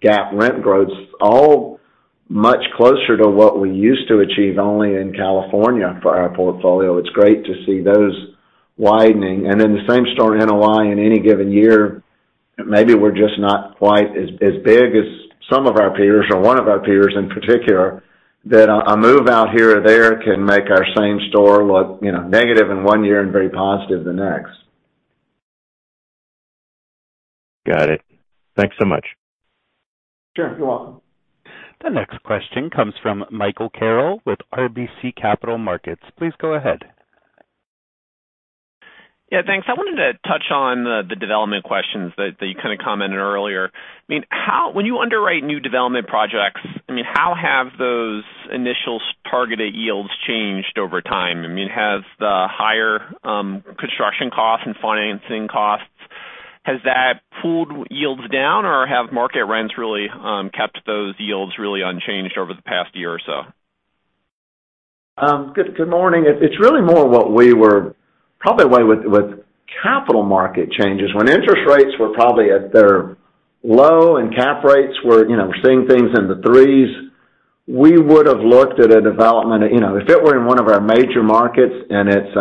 S2: gap rent growth, all much closer to what we used to achieve only in California for our portfolio. It's great to see those widening. The same store NOI, in any given year, maybe we're just not quite as big as some of our peers or one of our peers in particular, that a move out here or there can make our same store look, you know, negative in one year and very positive the next.
S10: Got it. Thanks so much.
S2: Sure, you're welcome.
S1: The next question comes from Michael Carroll with RBC Capital Markets. Please go ahead.
S11: Yeah, thanks. I wanted to touch on the development questions that you kind of commented earlier. I mean, when you underwrite new development projects, I mean, how have those initial targeted yields changed over time? I mean, has the higher construction costs and financing costs, has that pulled yields down, or have market rents really kept those yields really unchanged over the past year or so?
S2: Good, good morning. It's really more what we were probably way with capital market changes. When interest rates were probably at their low and cap rates were, you know, we're seeing things in the 3s, we would have looked at a development, you know, if it were in one of our major markets, and it's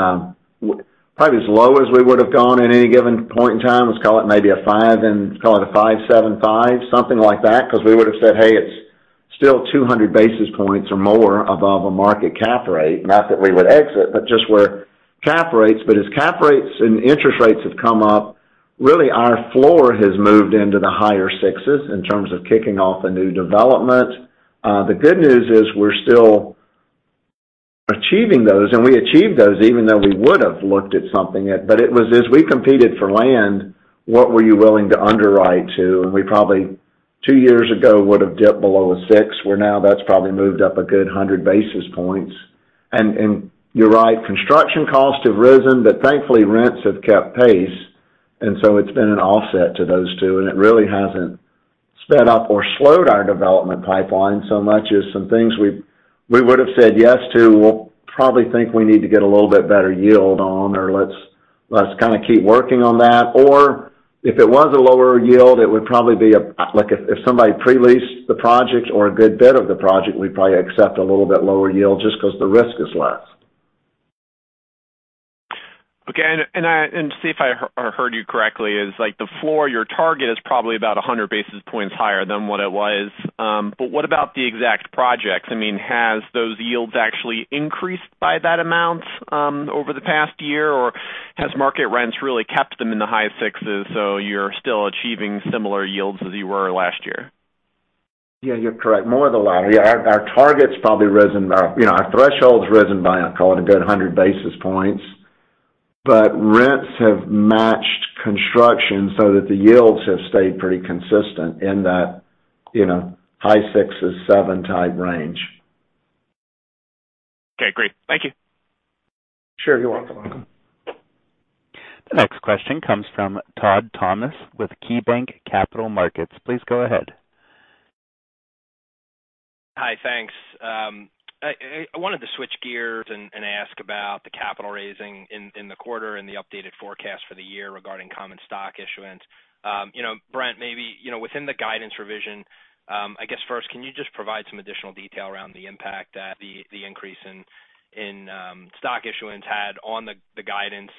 S2: probably as low as we would have gone at any given point in time, let's call it maybe a five and call it a 5.75, something like that, because we would have said, "Hey, it's still 200 basis points or more above a market cap rate." Not that we would exit, but just where cap rates. As cap rates and interest rates have come up, really, our floor has moved into the higher 6s in terms of kicking off a new development. The good news is we're still achieving those. We achieved those even though we would have looked at something. It was as we competed for land, what were you willing to underwrite to? We probably, two years ago, would have dipped below a six, where now that's probably moved up a good 100 basis points. You're right, construction costs have risen. Thankfully, rents have kept pace. So it's been an offset to those two. It really hasn't sped up or slowed our development pipeline so much as some things we would have said yes to, we'll probably think we need to get a little bit better yield on, or let's kind of keep working on that. If it was a lower yield, it would probably be like, if somebody pre-leased the project or a good bit of the project, we'd probably accept a little bit lower yield just because the risk is less.
S11: Okay. To see if I heard you correctly, is like the floor, your target is probably about 100 basis points higher than what it was. What about the exact projects? I mean, has those yields actually increased by that amount, over the past year, or has market rents really kept them in the high 6s, so you're still achieving similar yields as you were last year?
S2: Yeah, you're correct. More of the latter. Yeah, our target's probably risen, you know, our threshold's risen by, I call it, a good 100 basis points, but rents have matched construction so that the yields have stayed pretty consistent in that, you know, high 6s, seven type range.
S11: Okay, great. Thank you.
S2: Sure, you're welcome.
S1: The next question comes from Todd Thomas with KeyBanc Capital Markets. Please go ahead.
S12: Hi, thanks. I wanted to switch gears and ask about the capital raising in the quarter and the updated forecast for the year regarding common stock issuance. You know, Brent, maybe, you know, within the guidance revision, I guess first, can you just provide some additional detail around the impact that the increase in stock issuance had on the guidance?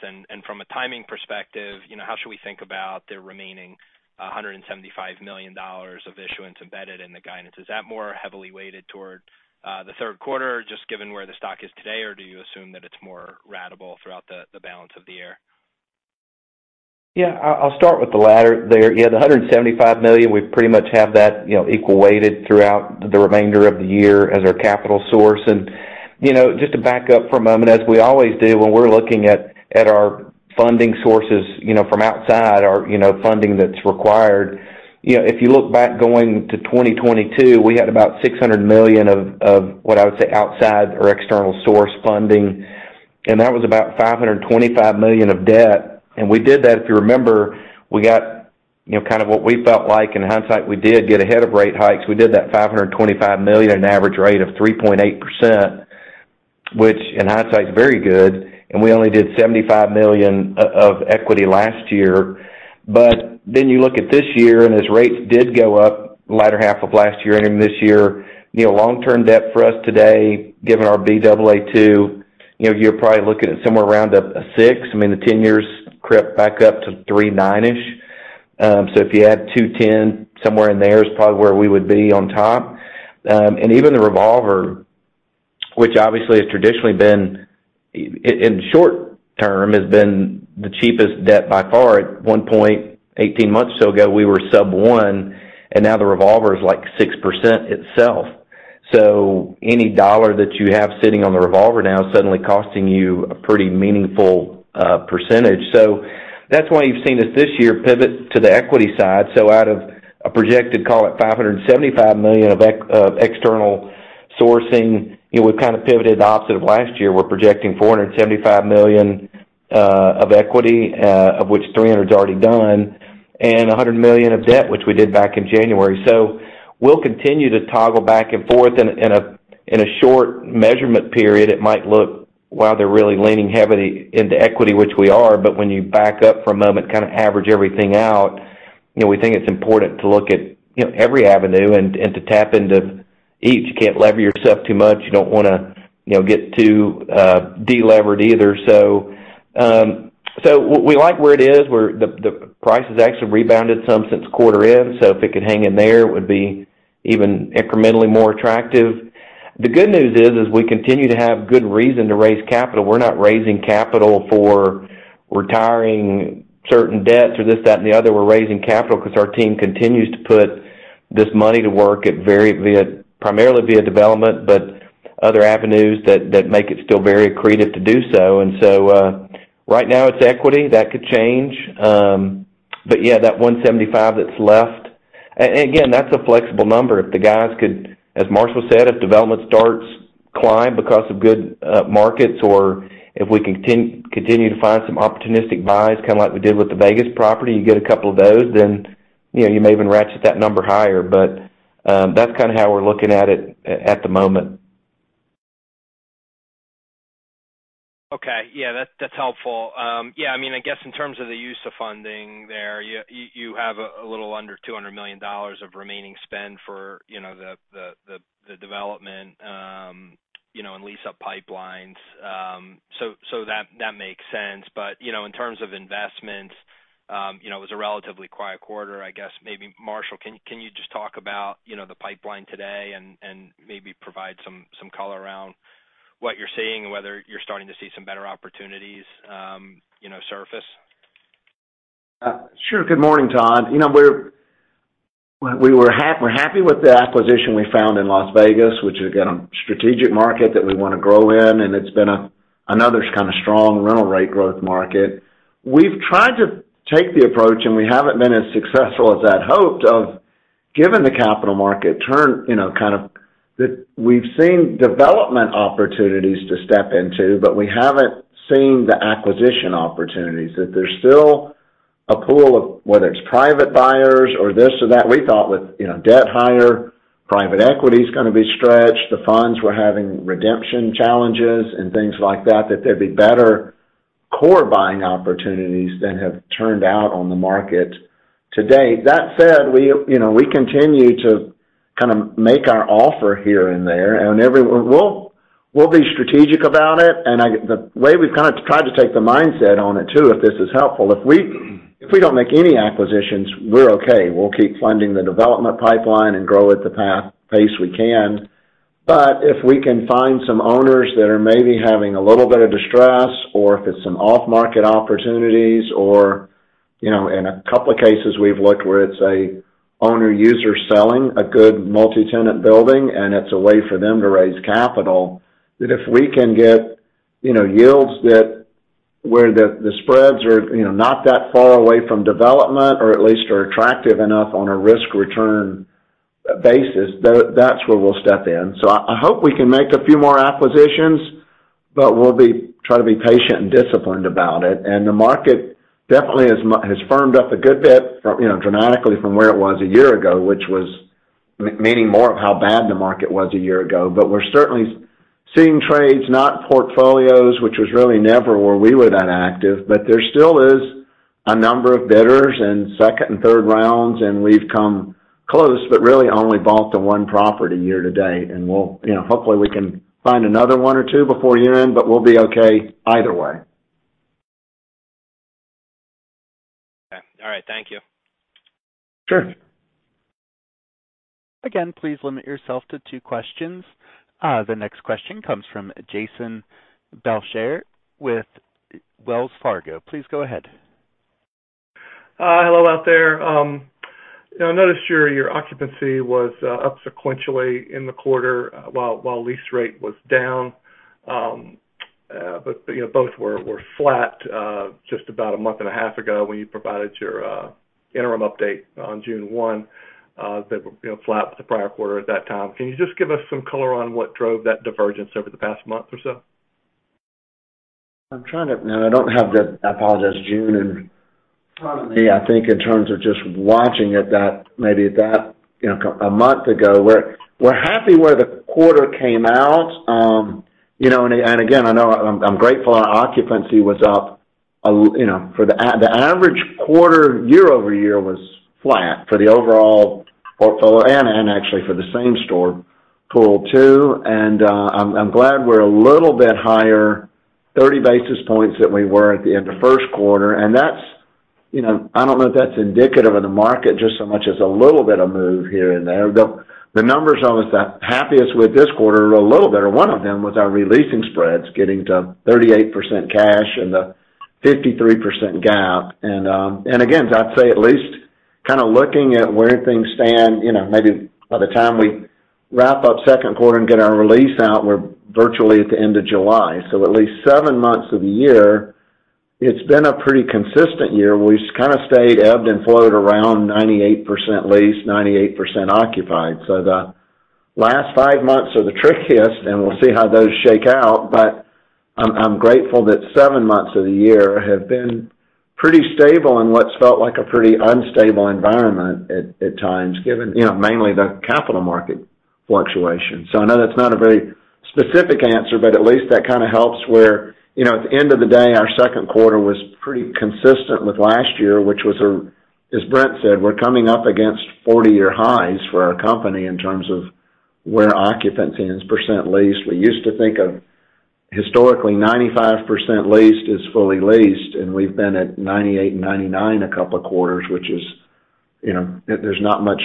S12: From a timing perspective, you know, how should we think about the remaining $175 million of issuance embedded in the guidance? Is that more heavily weighted toward the third quarter, just given where the stock is today, or do you assume that it's more ratable throughout the balance of the year?
S4: Yeah, I'll start with the latter there. The $175 million, we pretty much have that, you know, equal weighted throughout the remainder of the year as our capital source. You know, just to back up for a moment, as we always do when we're looking at our funding sources, you know, from outside our, you know, funding that's required. You know, if you look back going to 2022, we had about $600 million of what I would say, outside or external source funding, and that was about $525 million of debt. We did that, if you remember, we got, you know, kind of what we felt like, in hindsight, we did get ahead of rate hikes. We did that $525 million, an average rate of 3.8%, which in hindsight, is very good. We only did $75 million of equity last year. You look at this year, and as rates did go up the latter half of last year and even this year, you know, long-term debt for us today, given our Baa2, you know, you're probably looking at somewhere around a 6%. I mean, the 10 years crept back up to 3.9%-ish. If you add 2.10, somewhere in there is probably where we would be on top. Even the revolver, which obviously has traditionally been, in short term, has been the cheapest debt by far. At one point, 18 months ago, we were sub 1%, now the revolver is like 6% itself. Any dollar that you have sitting on the revolver now is suddenly costing you a pretty meaningful percentage. That's why you've seen us this year pivot to the equity side. Out of a projected, call it, $575 million of external sourcing, you know, we've kind of pivoted the opposite of last year. We're projecting $475 million of equity, of which $300 million is already done, and $100 million of debt, which we did back in January. We'll continue to toggle back and forth in a, in a short measurement period. It might look, wow, they're really leaning heavily into equity, which we are. When you back up for a moment, kind of average everything out, you know, we think it's important to look at, you know, every avenue and to tap into each. You can't lever yourself too much. You don't want to, you know, get too delevered either. We like where it is, where the price has actually rebounded some since quarter end. If it could hang in there, it would be even incrementally more attractive. The good news is, as we continue to have good reason to raise capital, we're not raising capital for retiring certain debts or this, that, and the other. We're raising capital because our team continues to put this money to work at very primarily via development, but other avenues that make it still very accretive to do so. Right now, it's equity. That could change. Yeah, that $175 that's left... Again, that's a flexible number. If the guys could, as Marshall said, if development starts to climb because of good markets or if we continue to find some opportunistic buys, kind of like we did with the Vegas property, you get a couple of those, then, you know, you may even ratchet that number higher. That's kind of how we're looking at it at the moment.
S12: Okay. Yeah, that's helpful. Yeah, I mean, I guess in terms of the use of funding there, you have a little under $200 million of remaining spend for, you know, the development, you know, and lease-up pipelines. So that makes sense. You know, in terms of investments, you know, it was a relatively quiet quarter. I guess maybe Marshall, can you just talk about, you know, the pipeline today and maybe provide some color around what you're seeing, whether you're starting to see some better opportunities, you know, surface?
S2: Sure. Good morning, Todd. You know, we're happy with the acquisition we found in Las Vegas, which is, again, a strategic market that we wanna grow in, and it's been another kind of strong rental rate growth market. We've tried to take the approach, and we haven't been as successful as I'd hoped of, given the capital market turn, you know, kind of. We've seen development opportunities to step into, but we haven't seen the acquisition opportunities, that there's still a pool of whether it's private buyers or this or that. We thought with, you know, debt higher, private equity is gonna be stretched, the funds were having redemption challenges and things like that there'd be better core buying opportunities than have turned out on the market to date. That said, we, you know, we continue to kind of make our offer here and there. We'll be strategic about it. The way we've kind of tried to take the mindset on it, too, if this is helpful, if we, if we don't make any acquisitions, we're okay. We'll keep funding the development pipeline and grow at the pace we can. If we can find some owners that are maybe having a little bit of distress or if it's some off-market opportunities, or, you know, in a couple of cases we've looked where it's a owner-user selling a good multi-tenant building, and it's a way for them to raise capital, that if we can get, you know, yields that where the spreads are, you know, not that far away from development or at least are attractive enough on a risk-return basis, that's where we'll step in. I hope we can make a few more acquisitions, but we'll try to be patient and disciplined about it. The market definitely has firmed up a good bit, you know, dramatically from where it was a year ago, which was meaning more of how bad the market was a year ago. We're certainly seeing trades, not portfolios, which was really never where we were that active. There still is a number of bidders in second and third rounds, and we've come close, but really only bought the one property year to date. We'll... You know, hopefully we can find another one or two before year-end, but we'll be okay either way.
S12: Okay. All right. Thank you.
S2: Sure.
S1: Again, please limit yourself to two questions. The next question comes from Jason Belcher with Wells Fargo. Please go ahead.
S13: Hello out there. I noticed your occupancy was up sequentially in the quarter, while lease rate was down. You know, both were flat just about a month and a half ago when you provided your interim update on June 1, that were, you know, flat the prior quarter at that time. Can you just give us some color on what drove that divergence over the past month or so?
S2: I'm trying to... No, I don't have I apologize, June in front of me, I think, in terms of just watching it, that maybe that, you know, a month ago, we're happy where the quarter came out. you know, and again, I know I'm grateful our occupancy was up you know, for the the average quarter year-over-year was flat for the overall portfolio and actually for the same store pool, too. I'm glad we're a little bit higher, 30 basis points than we were at the end of first quarter. That's, you know, I don't know if that's indicative of the market just so much as a little bit of move here and there. The numbers I was the happiest with this quarter are a little better. One of them was our re-leasing spreads, getting to 38% cash and a 53% GAAP. Again, I'd say at least kind of looking at where things stand, you know, maybe by the time we wrap up second quarter and get our release out, we're virtually at the end of July, so at least seven months of the year, it's been a pretty consistent year. We've kind of stayed, ebbed and flowed around 98% leased, 98% occupied. The last five months are the trickiest, and we'll see how those shake out. I'm grateful that seven months of the year have been pretty stable in what's felt like a pretty unstable environment at times, given, you know, mainly the capital market fluctuation. I know that's not a very specific answer, but at least that kind of helps where, you know, at the end of the day, our second quarter was pretty consistent with last year, which was, as Brent said, we're coming up against 40-year highs for our company in terms of where occupancy is, percent leased. Historically, 95% leased is fully leased, and we've been at 98%, 99% a couple of quarters, which is, you know, there's not much,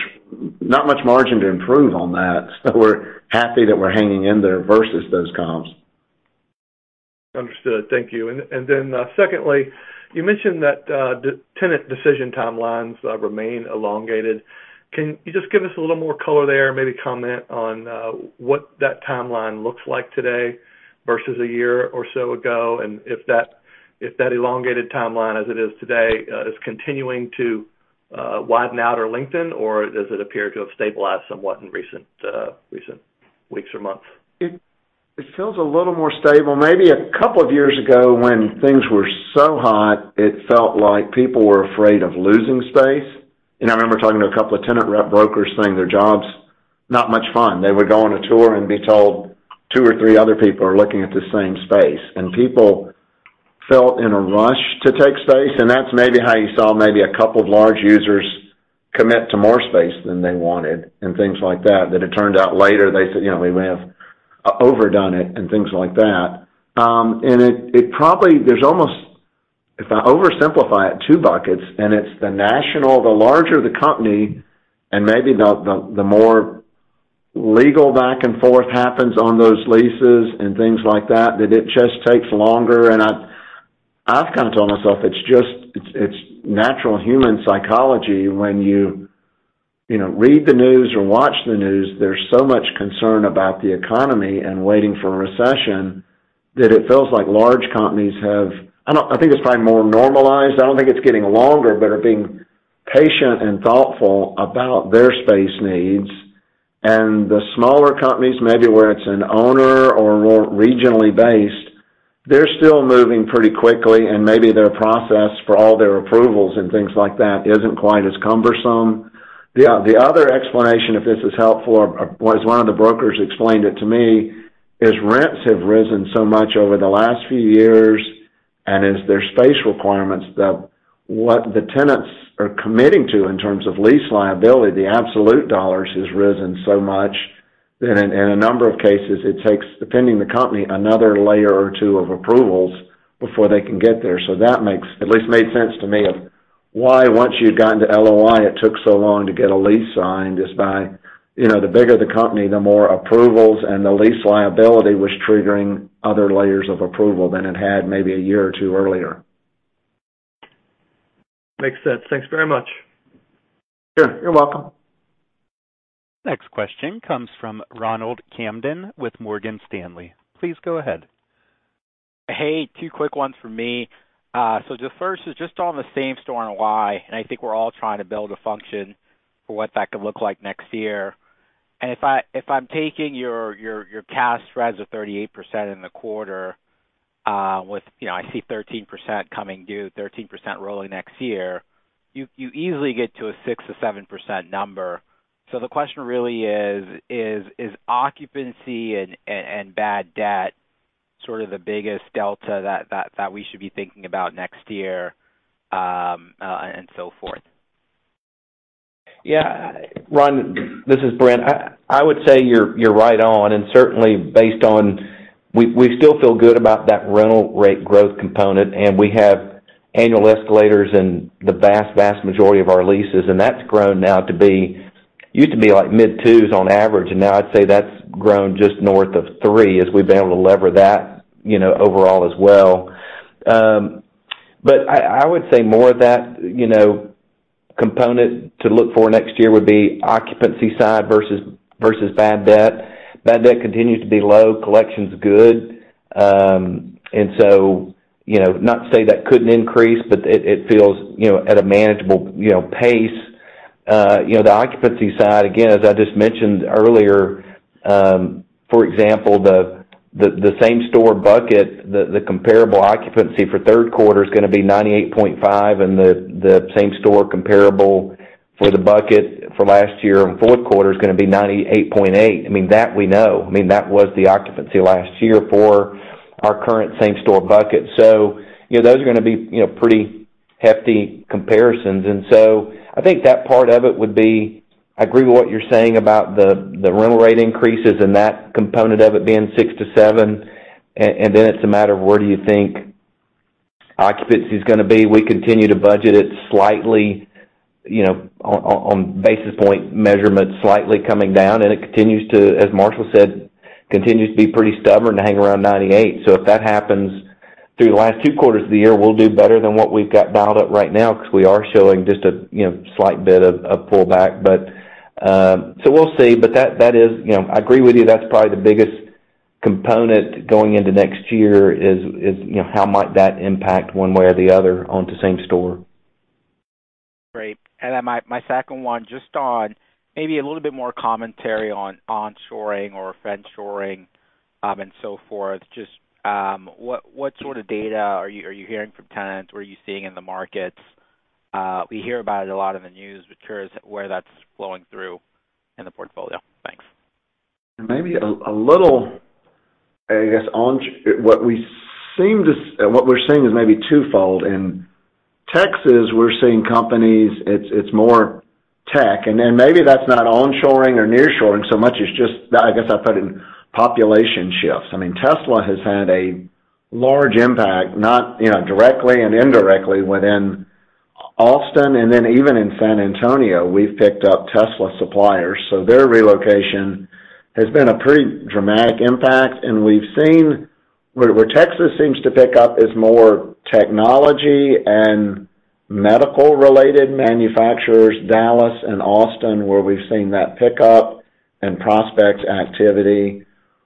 S2: not much margin to improve on that. We're happy that we're hanging in there versus those comps.
S13: Understood. Thank you. Then, secondly, you mentioned that the tenant decision timelines remain elongated. Can you just give us a little more color there, maybe comment on what that timeline looks like today versus a year or so ago? If that elongated timeline, as it is today, is continuing to widen out or lengthen, or does it appear to have stabilized somewhat in recent weeks or months?
S2: It feels a little more stable. Maybe a couple of years ago, when things were so hot, it felt like people were afraid of losing space. I remember talking to a couple of tenant rep brokers saying their job's not much fun. They would go on a tour and be told two or three other people are looking at the same space, and people felt in a rush to take space. That's maybe how you saw maybe a couple of large users commit to more space than they wanted and things like that it turned out later, they said, 'You know, we may have overdone it,' and things like that. It probably. There's almost, if I oversimplify it, two buckets. It's the national, the larger the company, and maybe the more legal back and forth happens on those leases and things like that it just takes longer. I've kind of told myself it's natural human psychology when you know, read the news or watch the news, there's so much concern about the economy and waiting for a recession, that it feels like large companies have... I think it's probably more normalized. I don't think it's getting longer, but are being patient and thoughtful about their space needs. The smaller companies, maybe where it's an owner or more regionally based, they're still moving pretty quickly, and maybe their process for all their approvals and things like that isn't quite as cumbersome. The other explanation, if this is helpful, was one of the brokers explained it to me, is rents have risen so much over the last few years, and as their space requirements, that what the tenants are committing to in terms of lease liability, the absolute dollars, has risen so much that in a number of cases, it takes, depending on the company, another layer or two of approvals before they can get there. That makes, at least made sense to me, of why once you've gotten to LOI, it took so long to get a lease signed, just by, you know, the bigger the company, the more approvals and the lease liability was triggering other layers of approval than it had maybe a year or two earlier.
S13: Makes sense. Thanks very much.
S2: Sure. You're welcome.
S1: Next question comes from Ronald Kamdem with Morgan Stanley. Please go ahead.
S14: Hey, two quick ones for me. The first is just on the same store and why, I think we're all trying to build a function for what that could look like next year. If I'm taking your cash reds of 38% in the quarter, with, you know, I see 13% coming due, 13% rolling next year, you easily get to a 6%-7% number. The question really is occupancy and bad debt, sort of the biggest delta that we should be thinking about next year and so forth?
S4: Yeah. Ronald, this is Brent. I would say you're right on. We still feel good about that rental rate growth component, and we have annual escalators in the vast majority of our leases, and that's grown now to be, used to be like mid-twos on average, and now I'd say that's grown just north of three as we've been able to lever that, you know, overall as well. I would say more of that, you know, component to look for next year would be occupancy side versus bad debt. Bad debt continues to be low, collection's good. Not to say that couldn't increase, but it feels, you know, at a manageable, you know, pace. You know, the occupancy side, again, as I just mentioned earlier, for example, the same store bucket, the comparable occupancy for third quarter is gonna be 98.5%, and the same store comparable for the bucket for last year and fourth quarter is gonna be 98.8%. I mean, that we know. I mean, that was the occupancy last year for our current same store bucket. You know, those are gonna be, you know, pretty hefty comparisons. I think that part of it would be, I agree with what you're saying about the rental rate increases and that component of it being 6%-7%, and then it's a matter of where do you think occupancy is gonna be. We continue to budget it slightly, you know, on basis point measurement, slightly coming down. As Marshall said, it continues to be pretty stubborn to hang around 98. If that happens through the last two quarters of the year, we'll do better than what we've got dialed up right now, because we are showing just a, you know, slight bit of pullback. We'll see. That is, you know, I agree with you, that's probably the biggest component going into next year is, you know, how might that impact one way or the other on the same store.
S14: Great. My second one, just on maybe a little bit more commentary on onshoring or friendshoring, and so forth. What sort of data are you hearing from tenants or are you seeing in the markets? We hear about it a lot in the news, curious where that's flowing through in the portfolio. Thanks.
S2: Maybe a little, I guess, what we're seeing is maybe twofold. Texas, we're seeing companies, it's more tech, maybe that's not onshoring or nearshoring so much as just, I guess, I put in population shifts. I mean, Tesla has had a large impact, not, you know, directly and indirectly within Austin, even in San Antonio, we've picked up Tesla suppliers. Their relocation has been a pretty dramatic impact, where Texas seems to pick up is more technology and medical-related manufacturers, Dallas and Austin, where we've seen that pickup and prospect activity.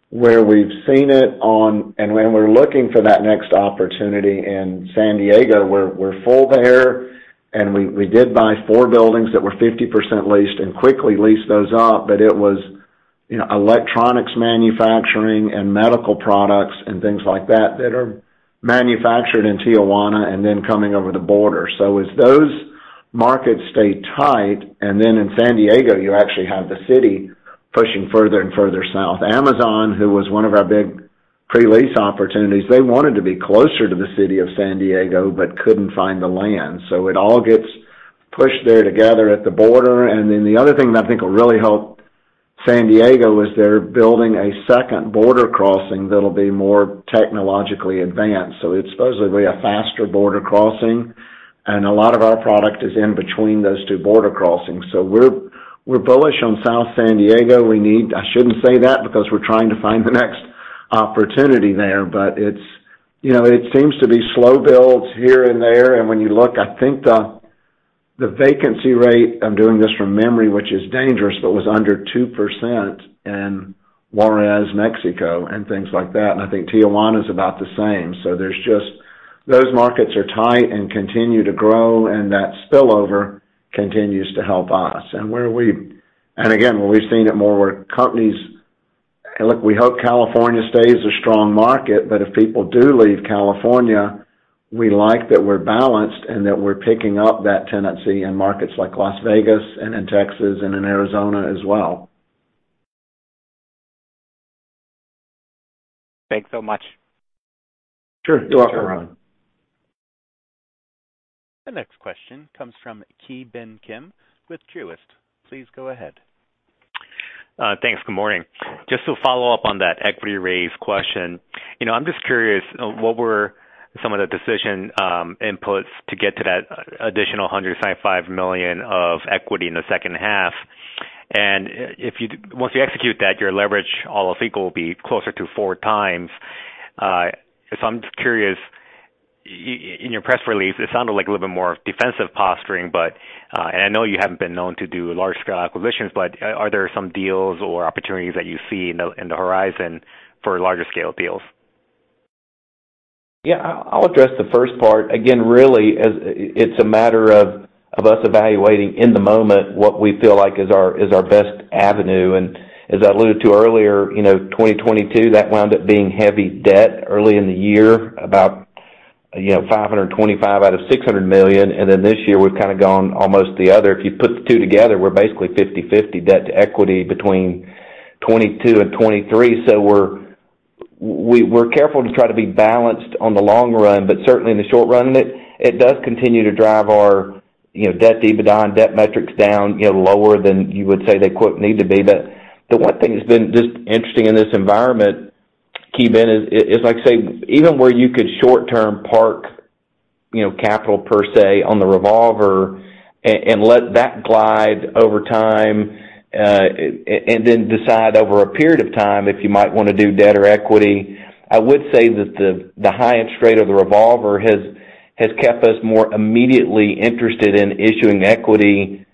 S2: Where we've seen it on, when we're looking for that next opportunity in San Diego, we're full there, we did buy four buildings that were 50% leased and quickly leased those up. It was, you know, electronics manufacturing and medical products and things like that are manufactured in Tijuana and then coming over the border. As those markets stay tight, and then in San Diego, you actually have the city pushing further and further south. Amazon, who was one of our big pre-lease opportunities, they wanted to be closer to the city of San Diego but couldn't find the land, so it all gets pushed there together at the border. The other thing that I think will really help San Diego is they're building a second border crossing that'll be more technologically advanced. It's supposedly a faster border crossing, and a lot of our product is in between those two border crossings. We're bullish on South San Diego. I shouldn't say that because we're trying to find the next opportunity there, but it's, you know, it seems to be slow builds here and there. When you look, I think the vacancy rate, I'm doing this from memory, which is dangerous, but was under 2% in Juárez, Mexico, and things like that. I think Tijuana is about the same. Those markets are tight and continue to grow, and that spillover continues to help us. Look, we hope California stays a strong market, but if people do leave California, we like that we're balanced and that we're picking up that tenancy in markets like Las Vegas and in Texas and in Arizona as well.
S14: Thanks so much.
S2: Sure. You're welcome, Ron.
S1: The next question comes from Ki Bin Kim with Truist. Please go ahead.
S15: Thanks. Good morning. Just to follow up on that equity raise question. You know, I'm just curious, what were some of the decision inputs to get to that additional $175 million of equity in the second half? Once you execute that, your leverage, all I think, will be closer to four times. I'm just curious, in your press release, it sounded like a little bit more defensive posturing, but I know you haven't been known to do large-scale acquisitions, but are there some deals or opportunities that you see in the horizon for larger scale deals?
S4: Yeah, I'll address the first part. Again, really, it's a matter of us evaluating in the moment what we feel like is our best avenue. As I alluded to earlier, you know, 2022, that wound up being heavy debt early in the year, about, you know, $525 million out of $600 million, and then this year, we've kind of gone almost the other. If you put the two together, we're basically 50/50 debt to equity between 2022 and 2023. We're careful to try to be balanced on the long run, but certainly in the short run, it does continue to drive our, you know, debt, EBITDA, and debt metrics down, you know, lower than you would say they, quote, "need to be." The one thing that's been just interesting in this environment, Ki Bin, is like I say, even where you could short-term park, you know, capital per se on the revolver and let that glide over time, and then decide over a period of time if you might wanna do debt or equity, I would say that the high end rate of the revolver has kept us more immediately interested in issuing equity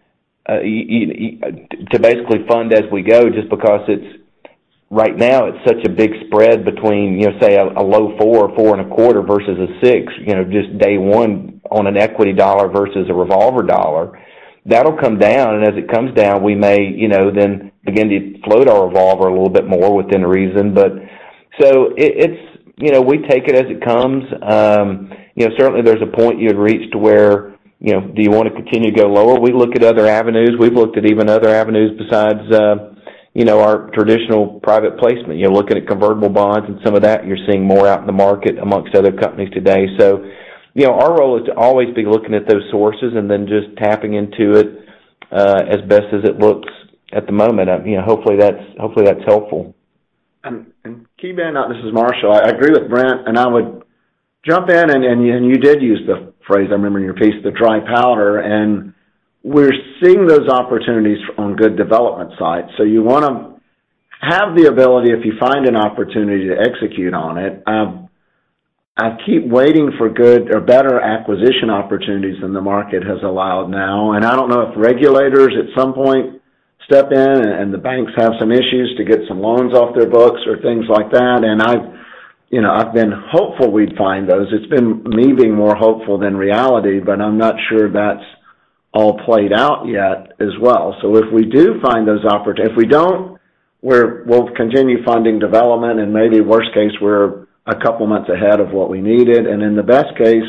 S4: to basically fund as we go, just because right now, it's such a big spread between, you know, say, a low 4%, 4.25% versus a 6%, you know, just day one on an equity dollar versus a revolver dollar. That'll come down, and as it comes down, we may, you know, then begin to float our revolver a little bit more within reason. It's, you know, we take it as it comes. You know, certainly there's a point you'd reach to where, you know, do you want to continue to go lower? We look at other avenues. We've looked at even other avenues besides, you know, our traditional private placement. You're looking at convertible bonds and some of that, you're seeing more out in the market amongst other companies today. You know, our role is to always be looking at those sources and then just tapping into it as best as it looks at the moment. You know, hopefully, that's helpful. Ki Bin, this is Marshall.
S2: I agree with Brent. I would jump in, you did use the phrase, I remember in your piece, the dry powder, we're seeing those opportunities on good development sites. You wanna have the ability, if you find an opportunity, to execute on it. I keep waiting for good or better acquisition opportunities than the market has allowed now. I don't know if regulators at some point step in and the banks have some issues to get some loans off their books or things like that. I've, you know, I've been hopeful we'd find those. It's been me being more hopeful than reality. I'm not sure that's all played out yet as well. If we don't, we'll continue funding development, and maybe worst case, we're a couple months ahead of what we needed, and in the best case,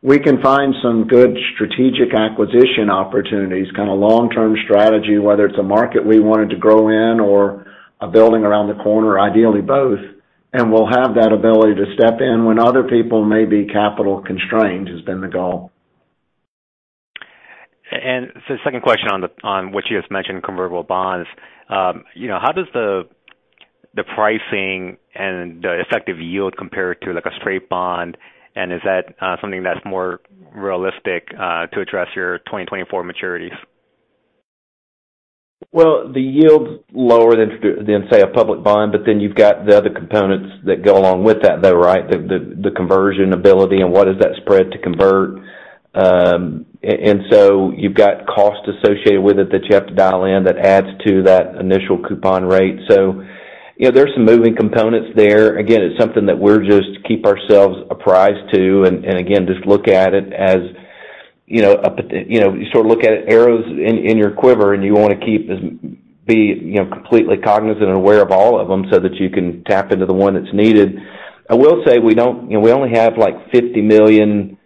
S2: we can find some good strategic acquisition opportunities, kinda long-term strategy, whether it's a market we wanted to grow in or a building around the corner, ideally, both. We'll have that ability to step in when other people may be capital constrained, has been the goal.
S15: Second question on what you just mentioned, convertible bonds. You know, how does the pricing and the effective yield compare to, like, a straight bond? Is that something that's more realistic to address your 2024 maturities?
S4: The yield's lower than, say, a public bond, you've got the other components that go along with that, though, right? The conversion ability and what is that spread to convert. And so you've got costs associated with it that you have to dial in that adds to that initial coupon rate. You know, there's some moving components there. Again, it's something that we're just keep ourselves apprised to, and again, just look at it as, you know, up at the. You know, you sort of look at it arrows in your quiver, and you wanna be, you know, completely cognizant and aware of all of them, so that you can tap into the one that's needed. I will say we don't, you know, we only have, like, $50 million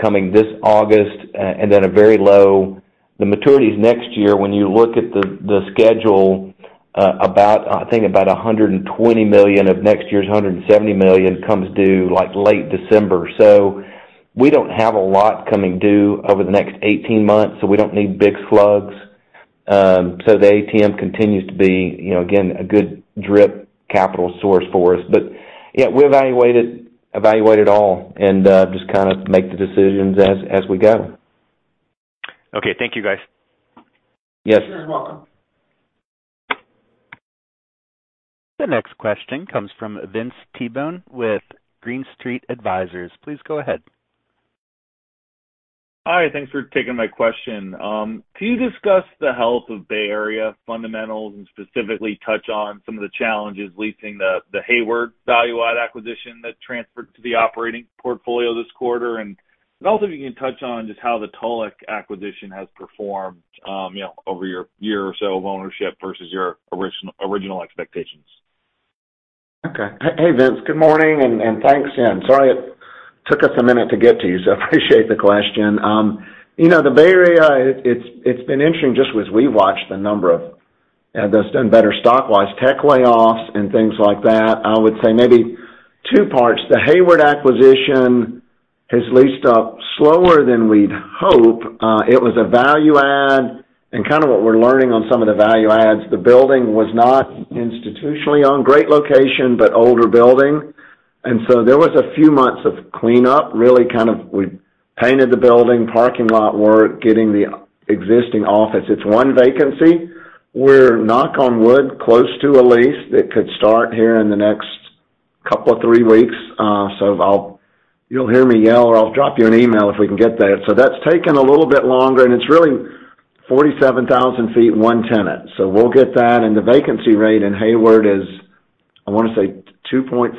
S4: coming this August, and then a very low. The maturity is next year. When you look at the schedule, about, I think about $120 million of next year's $170 million comes due, like, late December. We don't have a lot coming due over the next 18 months, so we don't need big slugs. The ATM continues to be, you know, again, a good drip capital source for us. Yeah, we evaluate it all and just kind of make the decisions as we go.
S15: Okay. Thank you, guys.
S4: Yes.
S2: You're welcome.
S1: The next question comes from Vince Tibone with Green Street Advisors. Please go ahead.
S16: Hi, thanks for taking my question. Can you discuss the health of Bay Area fundamentals and specifically touch on some of the challenges leasing the Hayward value-add acquisition that transferred to the operating portfolio this quarter? Also, if you can touch on just how the Tulloch acquisition has performed, you know, over your year or so of ownership versus your original expectations?
S2: Okay. Hey, Vince. Good morning, and thanks. Sorry, it took us a minute to get to you. I appreciate the question. You know, the Bay Area, it's been interesting just as we've watched the number of that's done better stock-wise, tech layoffs and things like that. I would say maybe two parts. The Hayward acquisition has leased up slower than we'd hope. It was a value add. Kind of what we're learning on some of the value adds, the building was not institutionally owned. Great location, older building. There was a few months of cleanup, really, kind of we painted the building, parking lot work, getting the existing office. It's one vacancy. We're, knock on wood, close to a lease that could start here in the next two or three weeks. You'll hear me yell, or I'll drop you an email if we can get that. That's taken a little bit longer, and it's really 47,000 ft, one tenant, so we'll get that. The vacancy rate in Hayward is, I wanna say 2.4%,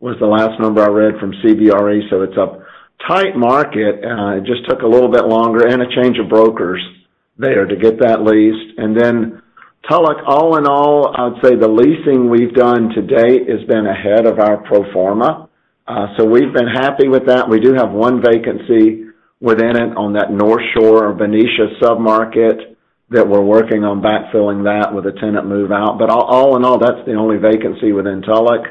S2: was the last number I read from CBRE, so it's a tight market. It just took a little bit longer and a change of brokers there to get that leased. Tulloch, all in all, I'd say the leasing we've done to date has been ahead of our pro forma. We've been happy with that. We do have one vacancy within it on that North Shore, Benicia submarket, that we're working on backfilling that with a tenant move-out. All in all, that's the only vacancy within Tulloch.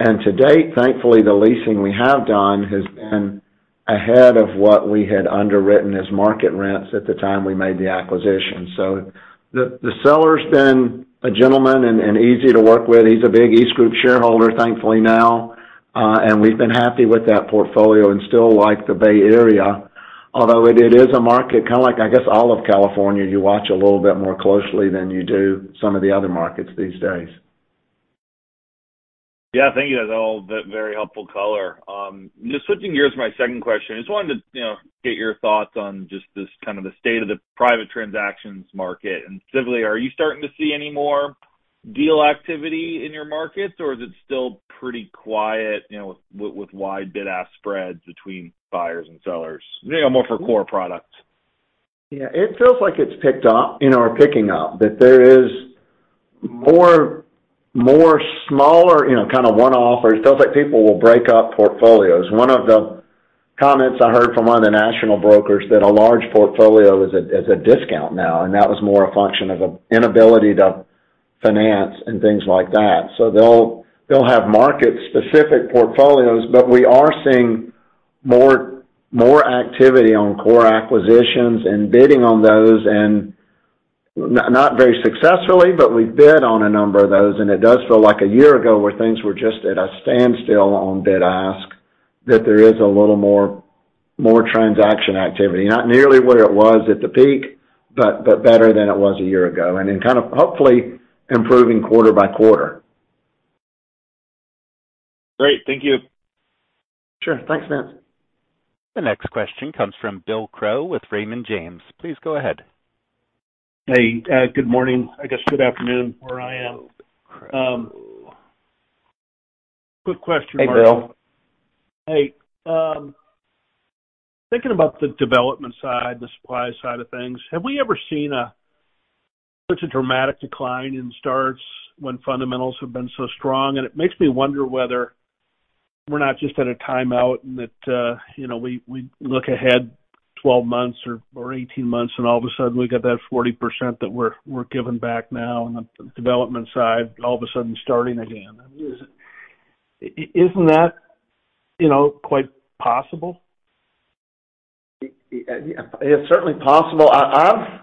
S2: To date, thankfully, the leasing we have done has been ahead of what we had underwritten as market rents at the time we made the acquisition. The seller's been a gentleman and easy to work with. He's a big EastGroup shareholder, thankfully now, and we've been happy with that portfolio and still like the Bay Area. It is a market, kind of like, I guess, all of California, you watch a little bit more closely than you do some of the other markets these days.
S16: Yeah. Thank you. That's all, very helpful color. Just switching gears to my second question. I just wanted to, you know, get your thoughts on just this, kind of the state of the private transactions market. Simply, are you starting to see any more deal activity in your markets, or is it still pretty quiet, you know, with wide bid-ask spreads between buyers and sellers? You know, more for core products.
S2: Yeah. It feels like it's picked up, you know, or picking up, that there is more, more smaller, you know, kind of one-off, or it feels like people will break up portfolios. One of the comments I heard from one of the national brokers, that a large portfolio is a discount now, and that was more a function of a inability to finance and things like that. They'll have market-specific portfolios, but we are seeing more activity on core acquisitions and bidding on those, and not very successfully, but we bid on a number of those. It does feel like a year ago, where things were just at a standstill on bid-ask, that there is a little more transaction activity. Not nearly where it was at the peak, but better than it was a year ago, and then kind of hopefully improving quarter by quarter.
S16: Great. Thank you.
S2: Sure. Thanks, Vince.
S1: The next question comes from Bill Crow with Raymond James. Please go ahead.
S17: Hey, good morning. I guess good afternoon, where I am. Quick question.
S4: Hey, Bill.
S17: Hey, thinking about the development side, the supply side of things, have we ever seen such a dramatic decline in starts when fundamentals have been so strong? It makes me wonder whether we're not just at a timeout, and that, you know, we look ahead 12 months or 18 months, and all of a sudden, we've got that 40% that we're giving back now on the development side, all of a sudden starting again. I mean, isn't that, you know, quite possible?
S2: It's certainly possible. I've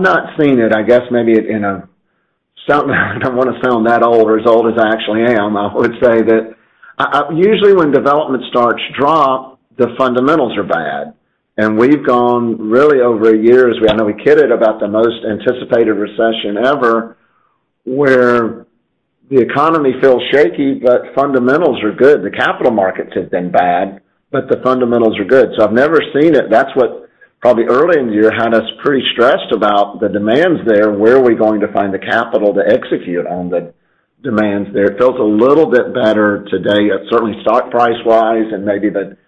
S2: not seen it, I guess maybe I don't wanna sound that old as old as I actually am. I would say that usually, when development starts to drop, the fundamentals are bad, and we've gone really over years. I know we kidded about the most anticipated recession ever, where the economy feels shaky, but fundamentals are good. The capital markets have been bad, but the fundamentals are good. I've never seen it. That's what probably early in the year, had us pretty stressed about the demands there. Where are we going to find the capital to execute on the demands there? It feels a little bit better today, certainly stock price-wise, and maybe that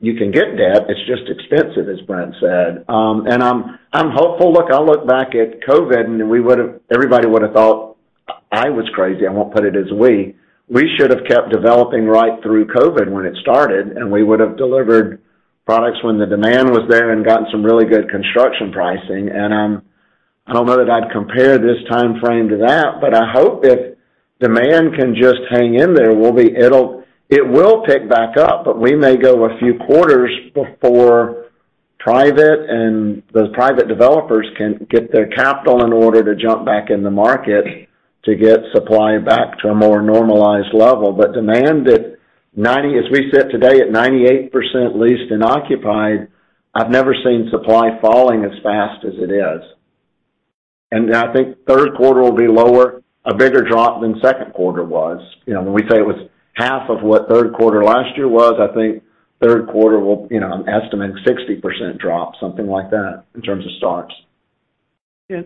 S2: you can get debt. It's just expensive, as Brent said. I'm hopeful. Look, I look back at COVID, and everybody would've thought I was crazy. I won't put it as we. We should have kept developing right through COVID when it started, and we would have delivered products when the demand was there and gotten some really good construction pricing. I don't know that I'd compare this timeframe to that, but I hope if demand can just hang in there, we'll be... it will pick back up, but we may go a few quarters before private and those private developers can get their capital in order to jump back in the market to get supply back to a more normalized level. Demand, as we sit today, at 98% leased and occupied, I've never seen supply falling as fast as it is. I think third quarter will be lower, a bigger drop than second quarter was. You know, when we say it was half of what third quarter last year was, I think third quarter will, you know, I'm estimating 60% drop, something like that, in terms of starts.
S17: The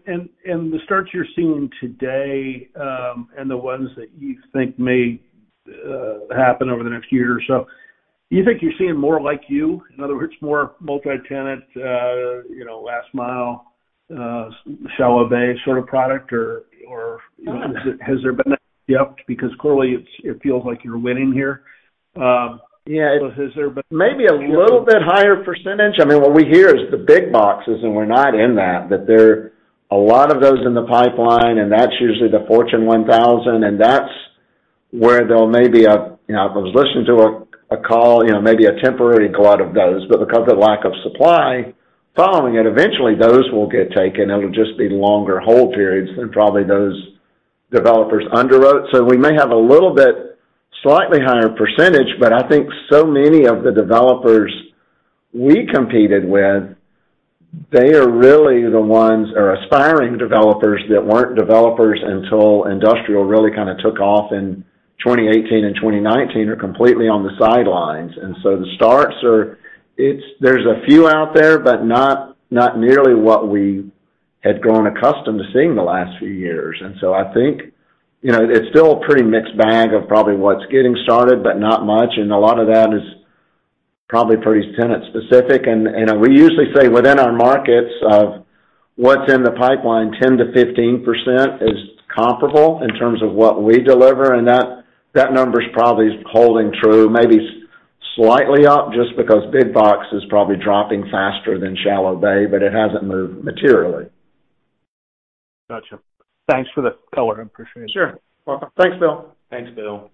S17: starts you're seeing today, and the ones that you think may happen over the next year or so, do you think you're seeing more like you? In other words, more multi-tenant, you know, last mile, shallow bay sort of product, or has there been an uptick? Because clearly, it feels like you're winning here.
S2: Maybe a little bit higher percentage. I mean, what we hear is the big boxes, we're not in that, but there are a lot of those in the pipeline, and that's usually the Fortune 1000, and that's where there may be a, you know, I was listening to a call, you know, maybe a temporary glut of those. Because of lack of supply, following it, eventually those will get taken. It'll just be longer hold periods than probably those developers underwrote. We may have a little bit slightly higher percentage, but I think so many of the developers we competed with, they are really the ones, or aspiring developers that weren't developers until industrial really kind of took off in 2018 and 2019, are completely on the sidelines. The starts are. There's a few out there, but not nearly what we had grown accustomed to seeing the last few years. I think, you know, it's still a pretty mixed bag of probably what's getting started, but not much, and a lot of that is probably pretty tenant-specific. And we usually say within our markets of what's in the pipeline, 10%-15% is comparable in terms of what we deliver, and that number's probably holding true, maybe slightly up, just because big box is probably dropping faster than shallow bay, but it hasn't moved materially.
S17: Gotcha. Thanks for the color. I appreciate it.
S2: Sure. Welcome. Thanks, Bill.
S4: Thanks, Bill.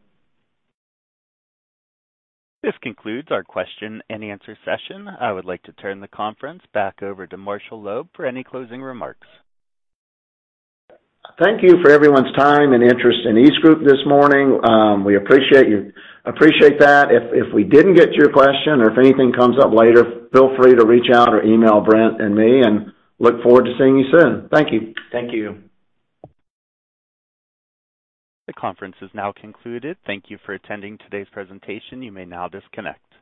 S1: This concludes our question-and-answer session. I would like to turn the conference back over to Marshall Loeb for any closing remarks.
S2: Thank you for everyone's time and interest in EastGroup this morning. We appreciate that. If we didn't get to your question or if anything comes up later, feel free to reach out or email Brent and me, and look forward to seeing you soon. Thank you.
S4: Thank you.
S1: The conference is now concluded. Thank you for attending today's presentation. You may now disconnect.